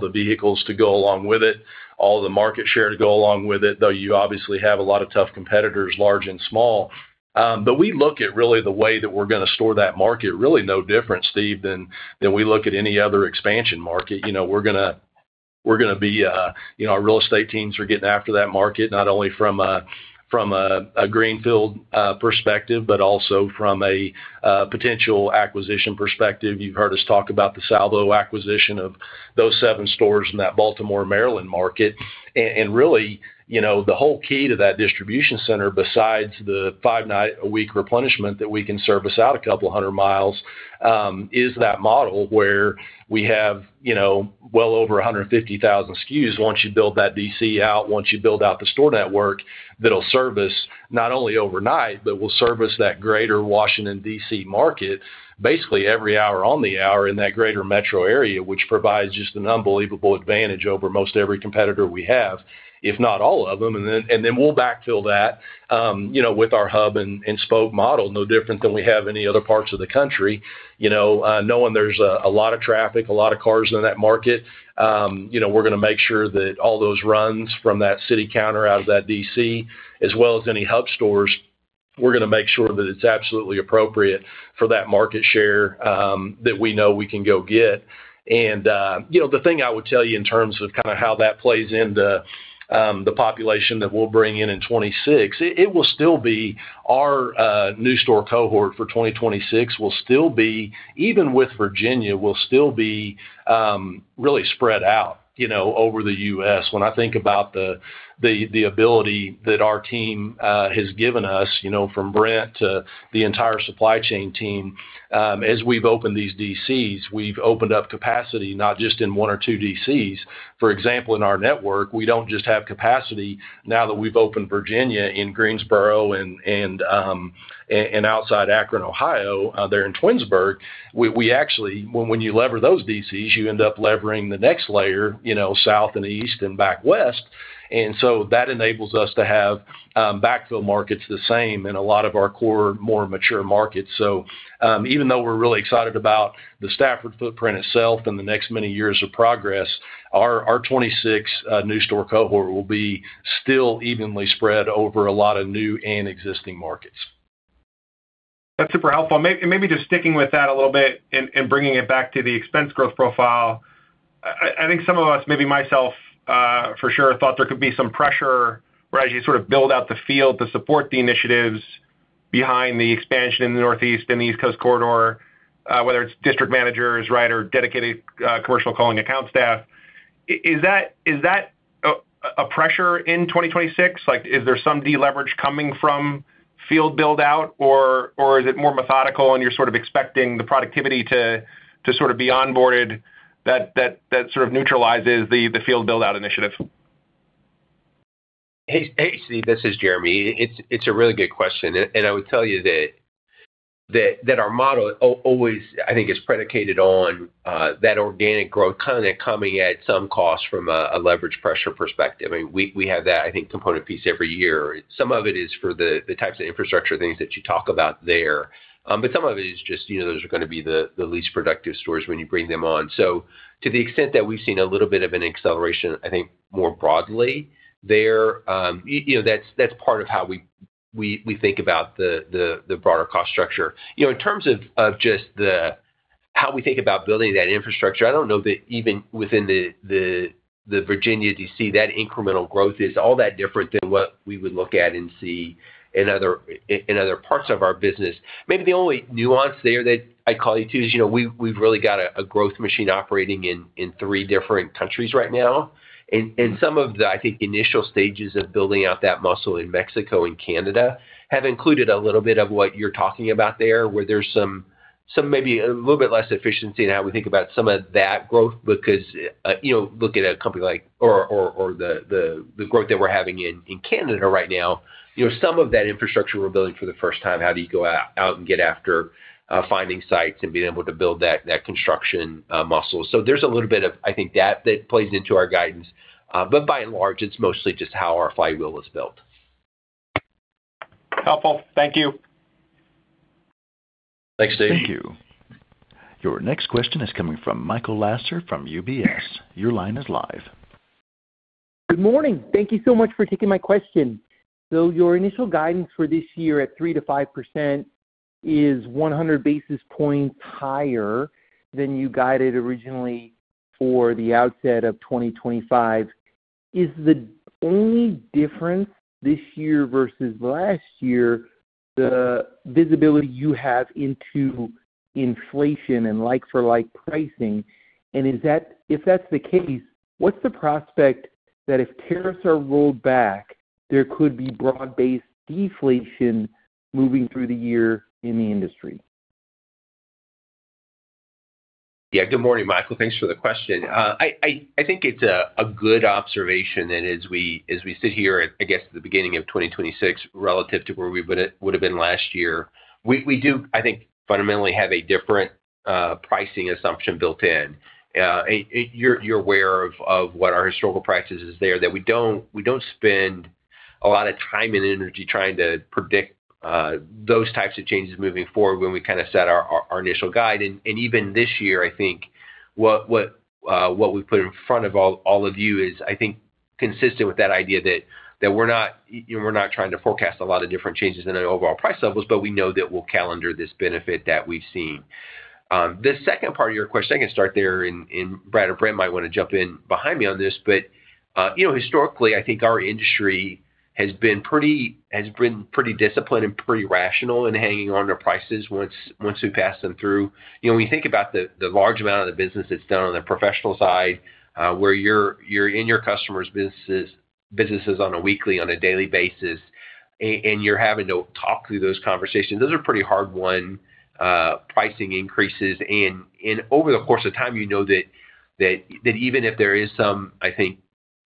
the vehicles to go along with it, all the market share to go along with it, though you obviously have a lot of tough competitors, large and small. But we look at really the way that we're going to store that market, really no different, Steve, than we look at any other expansion market. We're going to be our real estate teams are getting after that market, not only from a greenfield perspective, but also from a potential acquisition perspective. You've heard us talk about the Salvo acquisition of those seven stores in that Baltimore, Maryland market. Really, the whole key to that distribution center, besides the 5-night-a-week replenishment that we can service out a couple hundred miles, is that model where we have well over 150,000 SKUs. Once you build that DC out, once you build out the store network that'll service not only overnight, but will service that greater Washington, D.C. market basically every hour on the hour in that greater metro area, which provides just an unbelievable advantage over most every competitor we have, if not all of them. And then we'll backfill that with our hub and spoke model, no different than we have any other parts of the country. Knowing there's a lot of traffic, a lot of cars in that market, we're going to make sure that all those runs from that city counter out of that DC, as well as any hub stores, we're going to make sure that it's absolutely appropriate for that market share that we know we can go get. The thing I would tell you in terms of kind of how that plays into the population that we'll bring in in 2026, it will still be our new store cohort for 2026 will still be, even with Virginia, will still be really spread out over the U.S. When I think about the ability that our team has given us from Brent to the entire supply chain team, as we've opened these DCs, we've opened up capacity not just in one or two DCs. For example, in our network, we don't just have capacity now that we've opened Virginia, in Greensboro, and outside Akron, Ohio. There in Twinsburg, when you leverage those DCs, you end up leveraging the next layer south and east and back west. And so that enables us to have backfill markets the same in a lot of our core, more mature markets. So even though we're really excited about the Stafford footprint itself and the next many years of progress, our 2026 new store cohort will be still evenly spread over a lot of new and existing markets. That's super helpful. Maybe just sticking with that a little bit and bringing it back to the expense growth profile, I think some of us, maybe myself for sure, thought there could be some pressure whereas you sort of build out the field to support the initiatives behind the expansion in the Northeast and the East Coast Corridor, whether it's district managers or dedicated commercial calling account staff. Is that a pressure in 2026? Is there some de-leverage coming from field buildout, or is it more methodical and you're sort of expecting the productivity to sort of be onboarded that sort of neutralizes the field buildout initiative? Hey, Steve. This is Jeremy. It's a really good question. I would tell you that our model always, I think, is predicated on that organic growth kind of coming at some cost from a leverage pressure perspective. I mean, we have that, I think, component piece every year. Some of it is for the types of infrastructure things that you talk about there. Some of it is just those are going to be the least productive stores when you bring them on. To the extent that we've seen a little bit of an acceleration, I think, more broadly there, that's part of how we think about the broader cost structure. In terms of just how we think about building that infrastructure, I don't know that even within the Virginia DC, that incremental growth is all that different than what we would look at and see in other parts of our business. Maybe the only nuance there that I'd call you to is we've really got a growth machine operating in three different countries right now. And some of the, I think, initial stages of building out that muscle in Mexico and Canada have included a little bit of what you're talking about there, where there's maybe a little bit less efficiency in how we think about some of that growth because look at a company like or the growth that we're having in Canada right now, some of that infrastructure we're building for the first time, how do you go out and get after finding sites and being able to build that construction muscle. So there's a little bit of, I think, that that plays into our guidance. But by and large, it's mostly just how our flywheel is built. Helpful. Thank you. Thanks, Steve. Thank you. Your next question is coming from Michael Lasser from UBS. Your line is live. Good morning. Thank you so much for taking my question. So your initial guidance for this year at 3%-5% is 100 basis points higher than you guided originally for the outset of 2025. Is the only difference this year versus last year, the visibility you have into inflation and like-for-like pricing? And if that's the case, what's the prospect that if tariffs are rolled back, there could be broad-based deflation moving through the year in the industry? Yeah. Good morning, Michael. Thanks for the question. I think it's a good observation that as we sit here, I guess, at the beginning of 2026 relative to where we would have been last year, we do, I think, fundamentally have a different pricing assumption built in. You're aware of what our historical practice is there, that we don't spend a lot of time and energy trying to predict those types of changes moving forward when we kind of set our initial guide. Even this year, I think what we've put in front of all of you is, I think, consistent with that idea that we're not trying to forecast a lot of different changes in our overall price levels, but we know that we'll calendar this benefit that we've seen. The second part of your question, I can start there, and Brad or Brent might want to jump in behind me on this. But historically, I think our industry has been pretty disciplined and pretty rational in hanging on to prices once we pass them through. When you think about the large amount of the business that's done on the professional side, where you're in your customer's businesses on a weekly, on a daily basis, and you're having to talk through those conversations, those are pretty hard-won pricing increases. And over the course of time, you know that even if there is some, I think,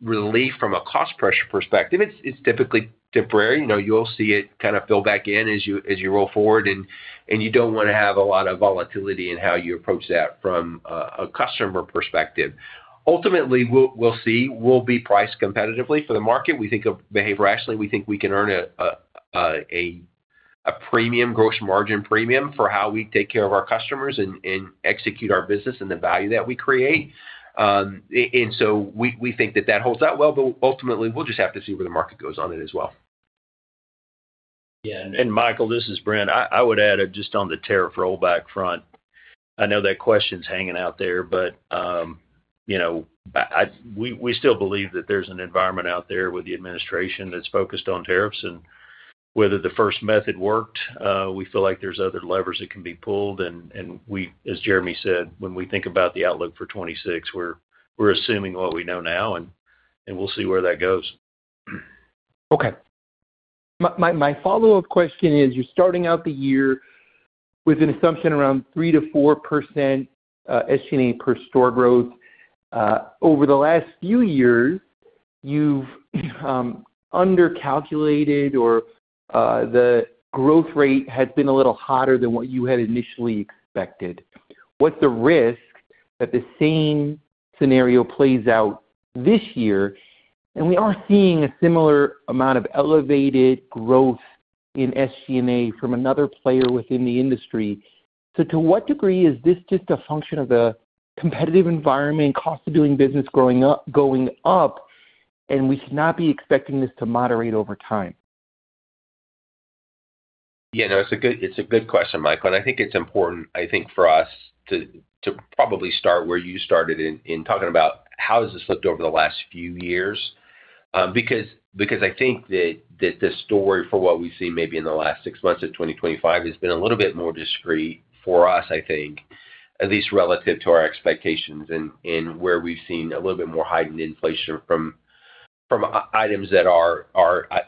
relief from a cost pressure perspective, it's typically temporary. You'll see it kind of fill back in as you roll forward. And you don't want to have a lot of volatility in how you approach that from a customer perspective. Ultimately, we'll see. We'll be priced competitively for the market. We think operationally, we think we can earn a premium, gross margin premium for how we take care of our customers and execute our business and the value that we create. And so we think that that holds out well. But ultimately, we'll just have to see where the market goes on it as well. Yeah. And Michael, this is Brent. I would add just on the tariff rollback front, I know that question's hanging out there, but we still believe that there's an environment out there with the administration that's focused on tariffs. And whether the first method worked, we feel like there's other levers that can be pulled. And as Jeremy said, when we think about the outlook for 2026, we're assuming what we know now, and we'll see where that goes. Okay. My follow-up question is, you're starting out the year with an assumption around 3%-4% SG&A per store growth. Over the last few years, you've undercalculated or the growth rate has been a little hotter than what you had initially expected. What's the risk that the same scenario plays out this year? We are seeing a similar amount of elevated growth in SG&A from another player within the industry. So to what degree is this just a function of the competitive environment, cost of doing business going up, and we should not be expecting this to moderate over time? Yeah. No, it's a good question, Michael. I think it's important, I think, for us to probably start where you started in talking about how has this looked over the last few years because I think that the story for what we've seen maybe in the last six months of 2025 has been a little bit more discrete for us, I think, at least relative to our expectations and where we've seen a little bit more heightened inflation from items that are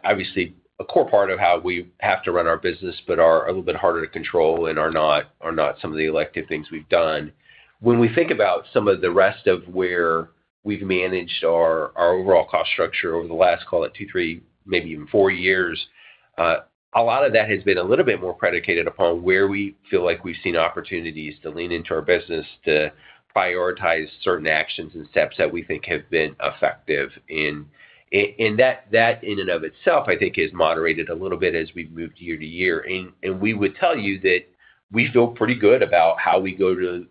obviously a core part of how we have to run our business but are a little bit harder to control and are not some of the elective things we've done. When we think about some of the rest of where we've managed our overall cost structure over the last, call it, two, three, maybe even four years, a lot of that has been a little bit more predicated upon where we feel like we've seen opportunities to lean into our business to prioritize certain actions and steps that we think have been effective. And that in and of itself, I think, has moderated a little bit as we've moved year to year. And we would tell you that we feel pretty good about how we go to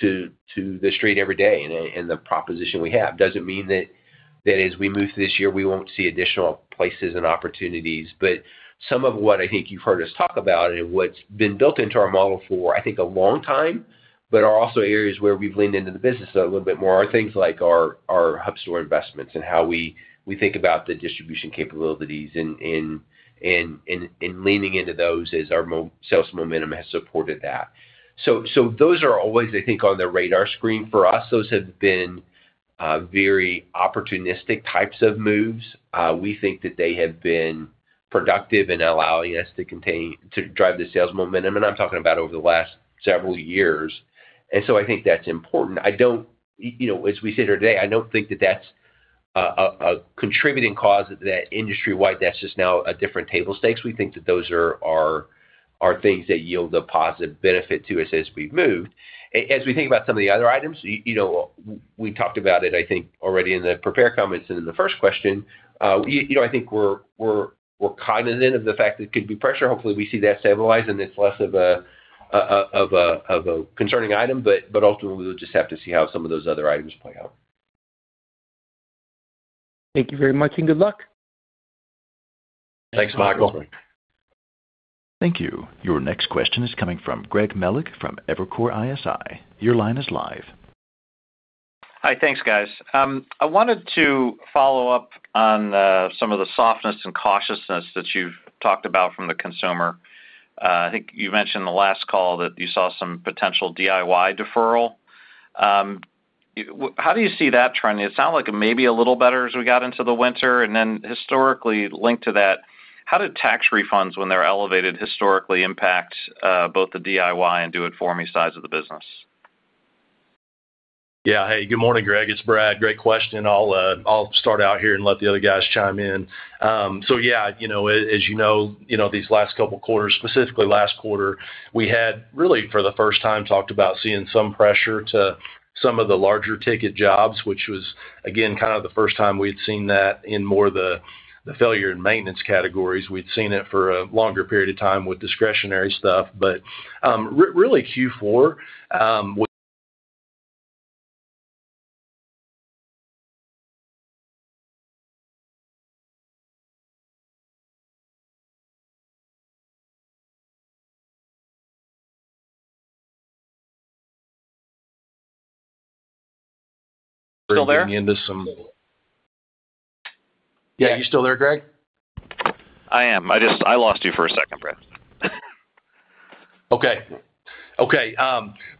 the street every day and the proposition we have. Doesn't mean that as we move this year, we won't see additional places and opportunities. But some of what I think you've heard us talk about and what's been built into our model for, I think, a long time, but are also areas where we've leaned into the business a little bit more are things like our hub store investments and how we think about the distribution capabilities. And leaning into those as our sales momentum has supported that. So those are always, I think, on the radar screen for us. Those have been very opportunistic types of moves. We think that they have been productive in allowing us to drive the sales momentum. And I'm talking about over the last several years. And so I think that's important. As we sit here today, I don't think that that's a contributing cause that industry-wide, that's just now a different table stakes. We think that those are things that yield a positive benefit to us as we've moved. As we think about some of the other items, we talked about it, I think, already in the prepare comments and in the first question. I think we're cognizant of the fact that it could be pressure. Hopefully, we see that stabilize and it's less of a concerning item. But ultimately, we'll just have to see how some of those other items play out. Thank you very much and good luck. Thanks, Michael. Thank you. Your next question is coming from Greg Melich from Evercore ISI. Your line is live. Hi. Thanks, guys. I wanted to follow up on some of the softness and cautiousness that you've talked about from the consumer. I think you mentioned in the last call that you saw some potential DIY deferral. How do you see that trending? It sounded like it may be a little better as we got into the winter. And then historically linked to that, how do tax refunds, when they're elevated, historically impact both the DIY and do-it-for-me sides of the business? Yeah. Hey, good morning, Greg. It's Brad. Great question. I'll start out here and let the other guys chime in. So yeah, as you know, these last couple of quarters, specifically last quarter, we had really for the first time talked about seeing some pressure to some of the larger ticket jobs, which was, again, kind of the first time we had seen that in more of the failure and maintenance categories. We'd seen it for a longer period of time with discretionary stuff. But really, Q4 was. Still there? Yeah. You still there, Greg? I am. I lost you for a second, Brad. Okay. Okay.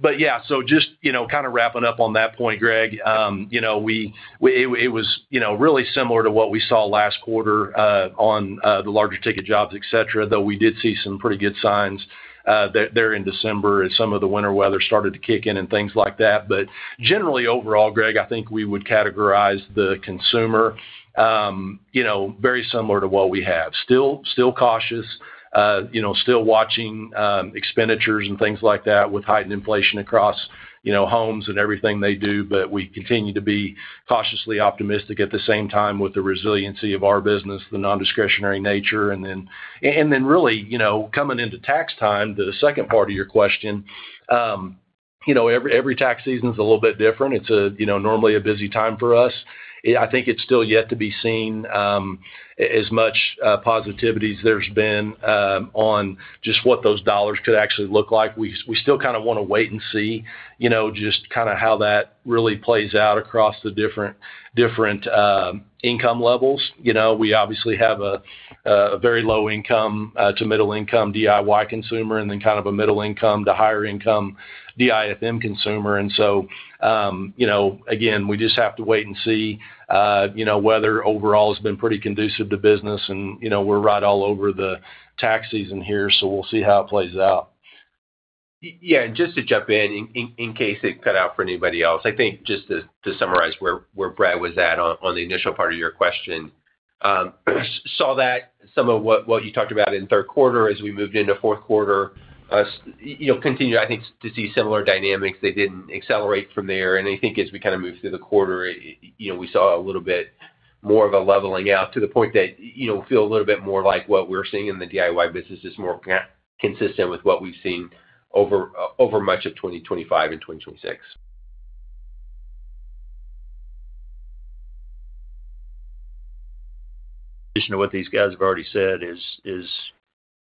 But yeah, so just kind of wrapping up on that point, Greg, it was really similar to what we saw last quarter on the larger ticket jobs, etc., though we did see some pretty good signs there in December as some of the winter weather started to kick in and things like that. But generally, overall, Greg, I think we would categorize the consumer very similar to what we have. Still cautious, still watching expenditures and things like that with heightened inflation across homes and everything they do. But we continue to be cautiously optimistic at the same time with the resiliency of our business, the nondiscretionary nature. And then really coming into tax time, the second part of your question, every tax season's a little bit different. It's normally a busy time for us. I think it's still yet to be seen as much positivity as there's been on just what those dollars could actually look like. We still kind of want to wait and see just kind of how that really plays out across the different income levels. We obviously have a very low-income to middle-income DIY consumer and then kind of a middle-income to higher-income DIFM consumer. And so again, we just have to wait and see whether overall it's been pretty conducive to business. And we're right all over the tax season here, so we'll see how it plays out. Yeah. And just to jump in, in case it cut out for anybody else, I think just to summarize where Brad was at on the initial part of your question, saw that some of what you talked about in third quarter as we moved into fourth quarter continued, I think, to see similar dynamics. They didn't accelerate from there. And I think as we kind of move through the quarter, we saw a little bit more of a leveling out to the point that we feel a little bit more like what we're seeing in the DIY business is more consistent with what we've seen over much of 2025 and 2026. addition to what these guys have already said is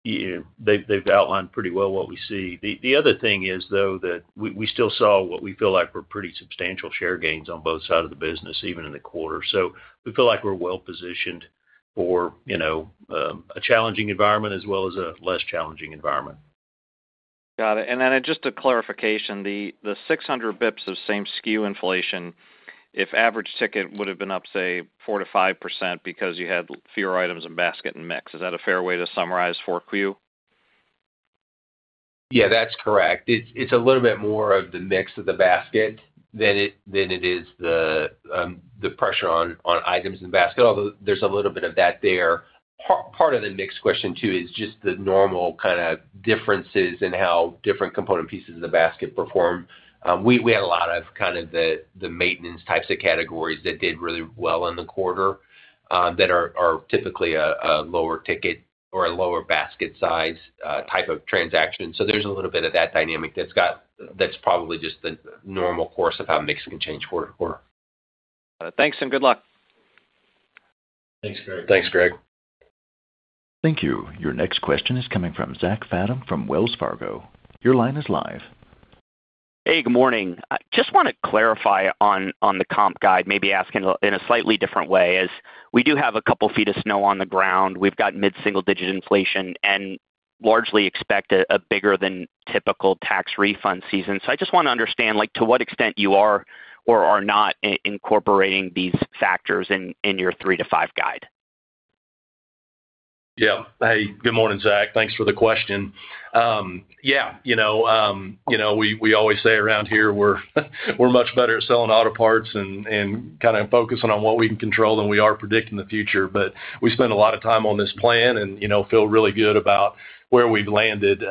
they've outlined pretty well what we see. The other thing is, though, that we still saw what we feel like were pretty substantial share gains on both sides of the business, even in the quarter. So we feel like we're well-positioned for a challenging environment as well as a less challenging environment. Got it. Then just a clarification, the 600 basis points of same SKU inflation, if average ticket would have been up, say, 4%-5% because you had fewer items in basket and mix, is that a fair way to summarize for you? Yeah, that's correct. It's a little bit more of the mix of the basket than it is the pressure on items in the basket, although there's a little bit of that there. Part of the mix question, too, is just the normal kind of differences in how different component pieces of the basket perform. We had a lot of kind of the maintenance types of categories that did really well in the quarter that are typically a lower ticket or a lower basket size type of transaction. So there's a little bit of that dynamic that's probably just the normal course of how mix can change quarter to quarter. Got it. Thanks and good luck. Thanks, Greg. Thanks, Greg. Thank you. Your next question is coming from Zach Fadem from Wells Fargo. Your line is live. Hey, good morning. Just want to clarify on the comp guide, maybe ask in a slightly different way. We do have a couple feet of snow on the ground. We've got mid-single-digit inflation and largely expect a bigger than typical tax refund season. So I just want to understand to what extent you are or are not incorporating these factors in your 3-5 guide. Yeah. Hey, good morning, Zach. Thanks for the question. Yeah. We always say around here we're much better at selling auto parts and kind of focusing on what we can control than we are predicting the future. But we spend a lot of time on this plan and feel really good about where we've landed,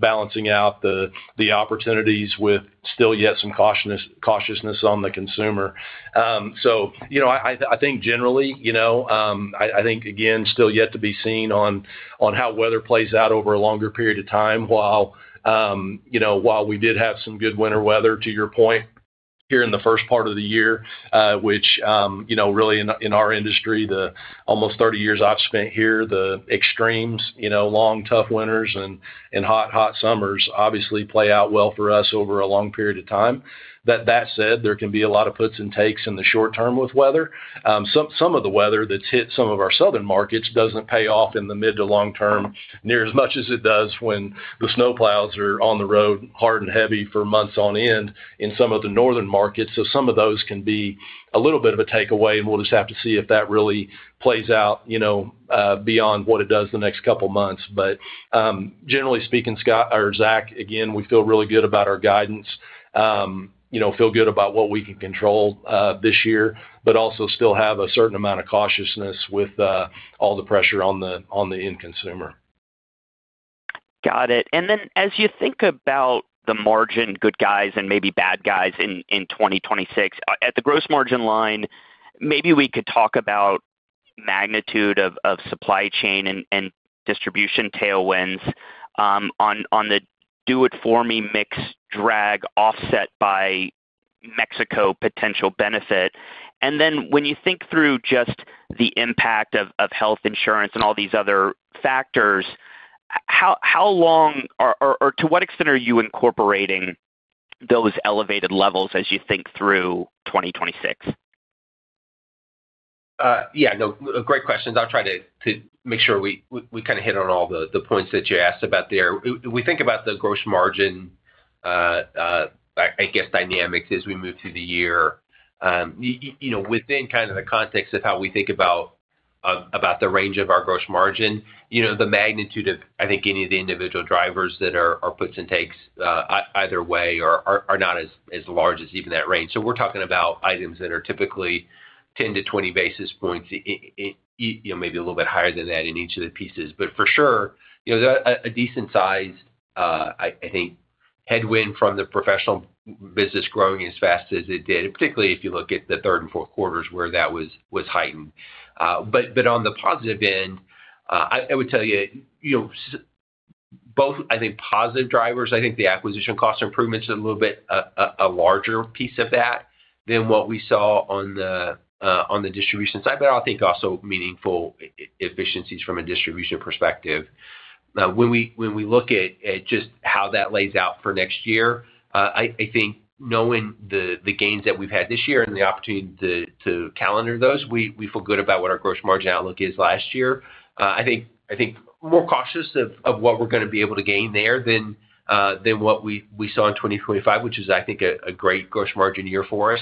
balancing out the opportunities with still yet some cautiousness on the consumer. So I think generally, I think, again, still yet to be seen on how weather plays out over a longer period of time while we did have some good winter weather, to your point, here in the first part of the year, which, really, in our industry, the almost 30 years I've spent here, the extremes, long, tough winters and hot, hot summers, obviously play out well for us over a long period of time. That said, there can be a lot of puts and takes in the short term with weather. Some of the weather that's hit some of our southern markets doesn't pay off in the mid to long term near as much as it does when the snowplows are on the road hard and heavy for months on end in some of the northern markets. So some of those can be a little bit of a takeaway, and we'll just have to see if that really plays out beyond what it does the next couple of months. But generally speaking, Zach, again, we feel really good about our guidance, feel good about what we can control this year, but also still have a certain amount of cautiousness with all the pressure on the end consumer. Got it. And then as you think about the margin, good guys and maybe bad guys in 2026, at the gross margin line, maybe we could talk about magnitude of supply chain and distribution tailwinds on the do-it-for-me mix drag offset by Mexico potential benefit. And then when you think through just the impact of health insurance and all these other factors, how long or to what extent are you incorporating those elevated levels as you think through 2026? Yeah. No, great questions. I'll try to make sure we kind of hit on all the points that you asked about there. We think about the gross margin, I guess, dynamics as we move through the year within kind of the context of how we think about the range of our gross margin. The magnitude of, I think, any of the individual drivers that are puts and takes either way are not as large as even that range. So we're talking about items that are typically 10-20 basis points, maybe a little bit higher than that in each of the pieces. But for sure, a decent size, I think, headwind from the professional business growing as fast as it did, particularly if you look at the third and fourth quarters where that was heightened. But on the positive end, I would tell you both, I think, positive drivers, I think the acquisition cost improvement's a little bit a larger piece of that than what we saw on the distribution side, but I think also meaningful efficiencies from a distribution perspective. When we look at just how that lays out for next year, I think knowing the gains that we've had this year and the opportunity to calendar those, we feel good about what our gross margin outlook is last year. I think more cautious of what we're going to be able to gain there than what we saw in 2025, which is, I think, a great gross margin year for us,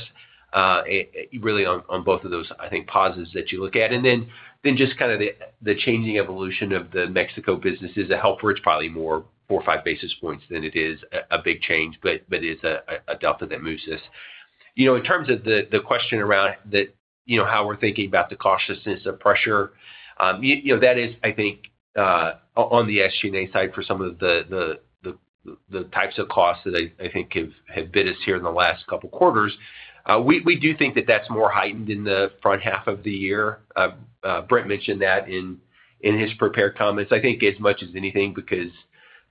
really on both of those, I think, positives that you look at. And then just kind of the changing evolution of the Mexico business is a help for, it's probably more 4 or 5 basis points than it is a big change, but it is a delta that moves us. In terms of the question around how we're thinking about the cautiousness of pressure, that is, I think, on the SG&A side for some of the types of costs that I think have bit us here in the last couple of quarters. We do think that that's more heightened in the front half of the year. Brent mentioned that in his prepared comments, I think, as much as anything because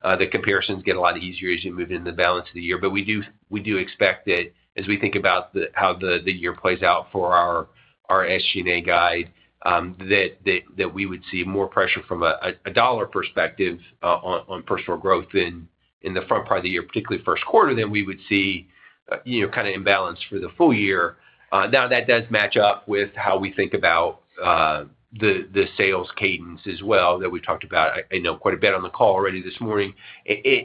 the comparisons get a lot easier as you move into the balance of the year. But we do expect that as we think about how the year plays out for our SG&A guide, that we would see more pressure from a dollar perspective on personnel growth in the front part of the year, particularly first quarter, than we would see kind of imbalance for the full year. Now, that does match up with how we think about the sales cadence as well that we've talked about, I know, quite a bit on the call already this morning.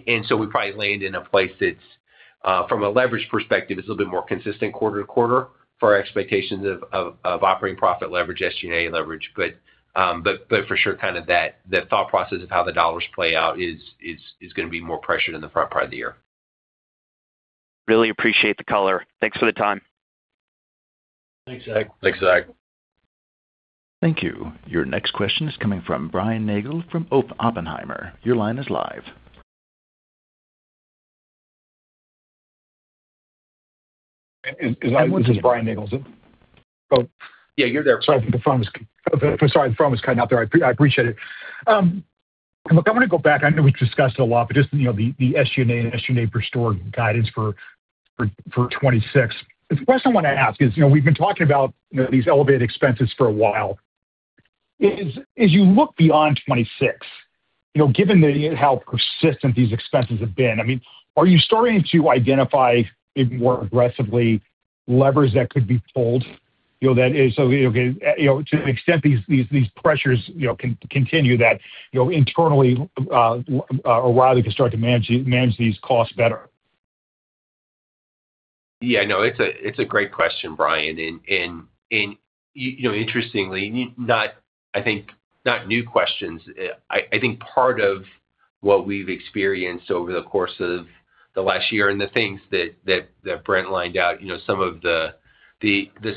And so we probably land in a place that's, from a leverage perspective, it's a little bit more consistent quarter to quarter for our expectations of operating profit leverage, SG&A leverage. But for sure, kind of that thought process of how the dollars play out is going to be more pressured in the front part of the year. Really appreciate the color. Thanks for the time. Thanks, Zach. Thanks, Zach. Thank you. Your next question is coming from Brian Nagel from Oppenheimer. Your line is live. Is that me, Mr. Brian Nagel? Yeah, you're there. Sorry, the phone was cutting out there. I appreciate it. Look, I want to go back. I know we've discussed it a lot, but just the SG&A and SG&A per store guidance for 2026. The question I want to ask is we've been talking about these elevated expenses for a while. As you look beyond 2026, given how persistent these expenses have been, I mean, are you starting to identify even more aggressively levers that could be pulled so that, okay, to the extent these pressures can continue, that internally, O'Reilly can start to manage these costs better? Yeah. No, it's a great question, Brian. Interestingly, I think not new questions. I think part of what we've experienced over the course of the last year and the things that Brent lined out, some of the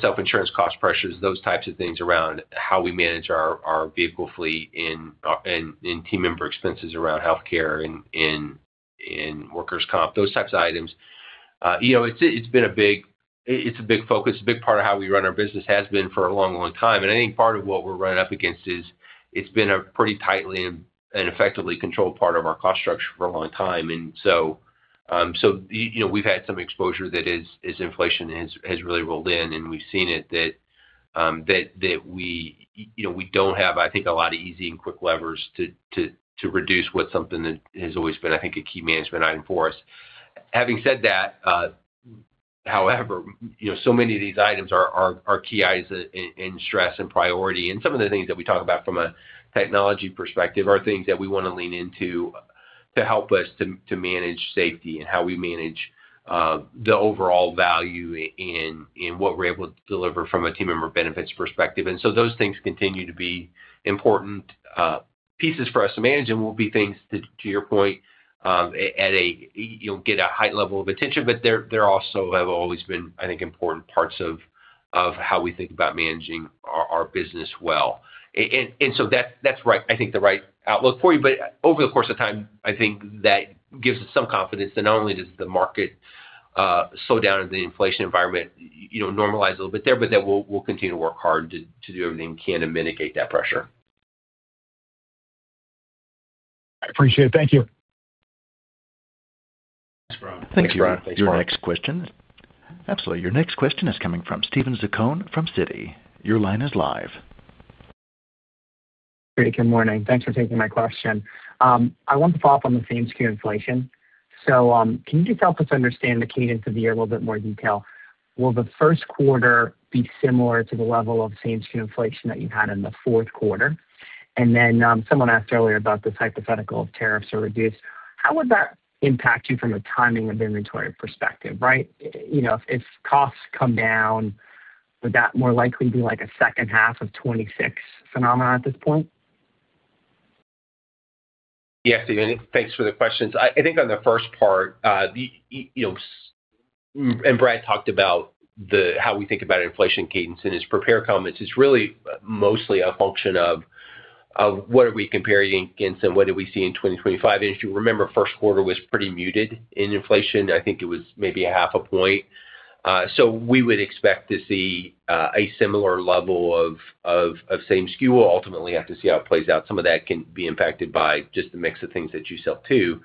self-insurance cost pressures, those types of things around how we manage our vehicle fleet and team member expenses around healthcare and workers' comp, those types of items, it's been a big it's a big focus. A big part of how we run our business has been for a long, long time. I think part of what we're running up against is it's been a pretty tightly and effectively controlled part of our cost structure for a long time. And so we've had some exposure, that is, inflation has really rolled in, and we've seen that we don't have, I think, a lot of easy and quick levers to reduce. What's something that has always been, I think, a key management item for us. Having said that, however, so many of these items are key items in stress and priority. Some of the things that we talk about from a technology perspective are things that we want to lean into to help us to manage safety and how we manage the overall value in what we're able to deliver from a team member benefits perspective. And so those things continue to be important pieces for us to manage and will be things, to your point, at a heightened level of attention. But they also have always been, I think, important parts of how we think about managing our business well. And so that's right, I think, the right outlook for you. But over the course of time, I think that gives us some confidence that not only does the market slow down and the inflation environment normalize a little bit there, but that we'll continue to work hard to do everything we can to mitigate that pressure. I appreciate it. Thank you. Thanks, Brian. Thanks, Brian. Your next question is coming from Steven Zaccone from Citi. Your line is live. Great. Good morning. Thanks for taking my question. I want to follow up on the same SKU inflation. So can you just help us understand the cadence of the year a little bit more in detail? Will the first quarter be similar to the level of same SKU inflation that you've had in the fourth quarter? And then someone asked earlier about this hypothetical of tariffs are reduced. How would that impact you from a timing of inventory perspective, right? If costs come down, would that more likely be like a second half of 2026 phenomenon at this point? Yeah, Steven, thanks for the questions. I think on the first part, and Brad talked about how we think about inflation cadence in his prepared comments, it's really mostly a function of what are we comparing against and what did we see in 2025? And as you remember, first quarter was pretty muted in inflation. I think it was maybe 0.5 point. So we would expect to see a similar level of same SKU. We'll ultimately have to see how it plays out. Some of that can be impacted by just the mix of things that you sell, too,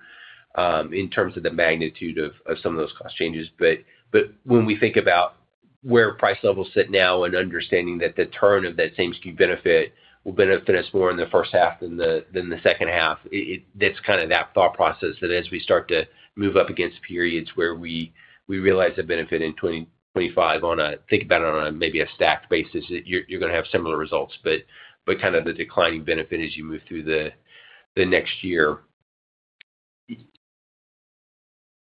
in terms of the magnitude of some of those cost changes. But when we think about where price levels sit now and understanding that the turn of that same SKU benefit will benefit us more in the first half than the second half, that's kind of that thought process that as we start to move up against periods where we realize a benefit in 2025, think about it on maybe a stacked basis, you're going to have similar results. But kind of the declining benefit as you move through the next year.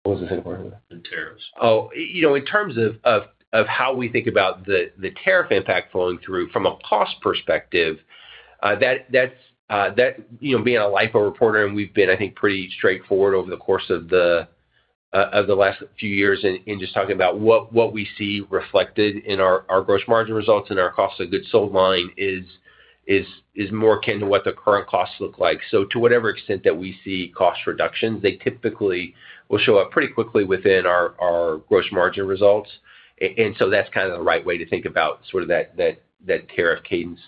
What was the second part of that? And tariffs. Oh, in terms of how we think about the tariff impact flowing through from a cost perspective, that's being a LIFO reporter, and we've been, I think, pretty straightforward over the course of the last few years in just talking about what we see reflected in our gross margin results and our cost of goods sold line is more akin to what the current costs look like. So to whatever extent that we see cost reductions, they typically will show up pretty quickly within our gross margin results. And so that's kind of the right way to think about sort of that tariff cadence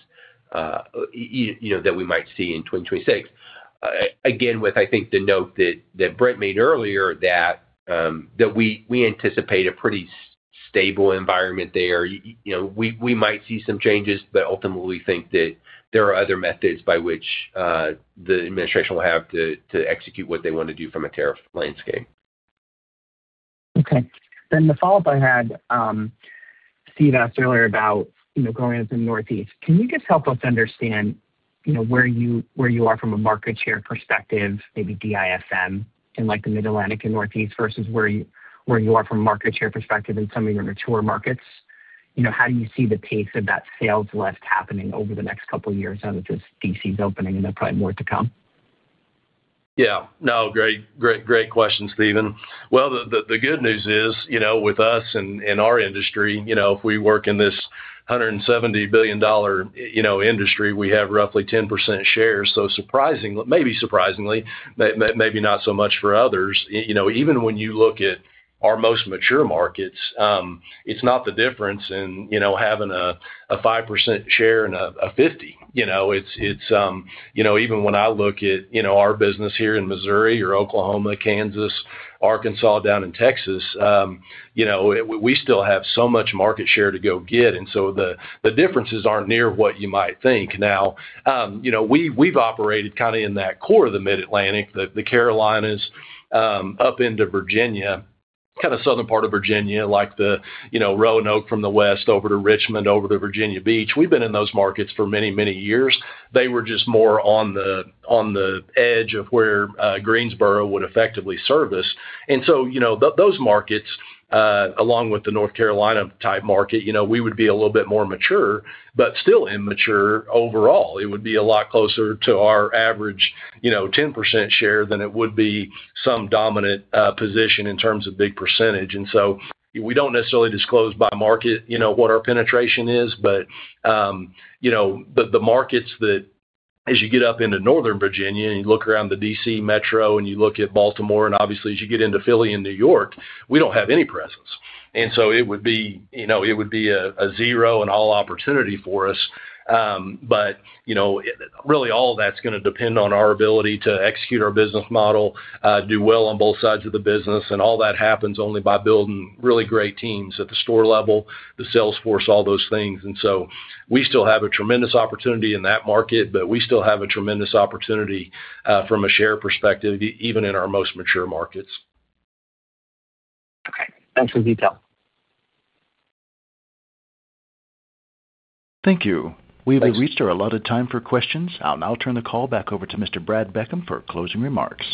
that we might see in 2026. Again, with, I think, the note that Brent made earlier that we anticipate a pretty stable environment there. We might see some changes, but ultimately, we think that there are other methods by which the administration will have to execute what they want to do from a tariff landscape. Okay. Then the follow-up I had, Steve, asked earlier about going into the Northeast. Can you just help us understand where you are from a market share perspective, maybe DIFM in the Mid-Atlantic and Northeast versus where you are from a market share perspective in some of your mature markets? How do you see the pace of that sales lift happening over the next couple of years now that this DC is opening and there's probably more to come? Yeah. No, great question, Steven. Well, the good news is with us and our industry, if we work in this $170 billion industry, we have roughly 10% share. So maybe surprisingly, maybe not so much for others. Even when you look at our most mature markets, it's not the difference in having a 5% share and a 50%. It's even when I look at our business here in Missouri or Oklahoma, Kansas, Arkansas, down in Texas, we still have so much market share to go get. And so the differences aren't near what you might think. Now, we've operated kind of in that core of the Mid-Atlantic, the Carolinas, up into Virginia, kind of southern part of Virginia, like the Roanoke from the west over to Richmond over to Virginia Beach. We've been in those markets for many, many years. They were just more on the edge of where Greensboro would effectively service. So those markets, along with the North Carolina type market, we would be a little bit more mature, but still immature overall. It would be a lot closer to our average 10% share than it would be some dominant position in terms of big percentage. We don't necessarily disclose by market what our penetration is, but the markets that as you get up into northern Virginia and you look around the D.C. metro and you look at Baltimore, and obviously, as you get into Philly and New York, we don't have any presence. So it would be it would be a zero and all opportunity for us. But really, all of that's going to depend on our ability to execute our business model, do well on both sides of the business. All that happens only by building really great teams at the store level, the sales force, all those things. So we still have a tremendous opportunity in that market, but we still have a tremendous opportunity from a share perspective, even in our most mature markets. Okay. Thanks for the detail. Thank you. We've reached our allotted time for questions. I'll now turn the call back over to Mr. Brad Beckham for closing remarks.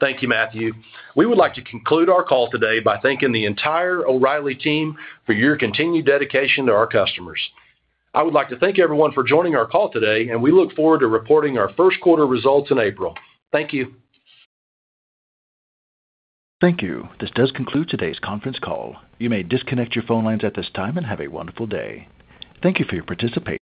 Thank you, Matthew. We would like to conclude our call today by thanking the entire O'Reilly team for your continued dedication to our customers. I would like to thank everyone for joining our call today, and we look forward to reporting our first quarter results in April. Thank you. Thank you. This does conclude today's conference call. You may disconnect your phone lines at this time and have a wonderful day. Thank you for your participation.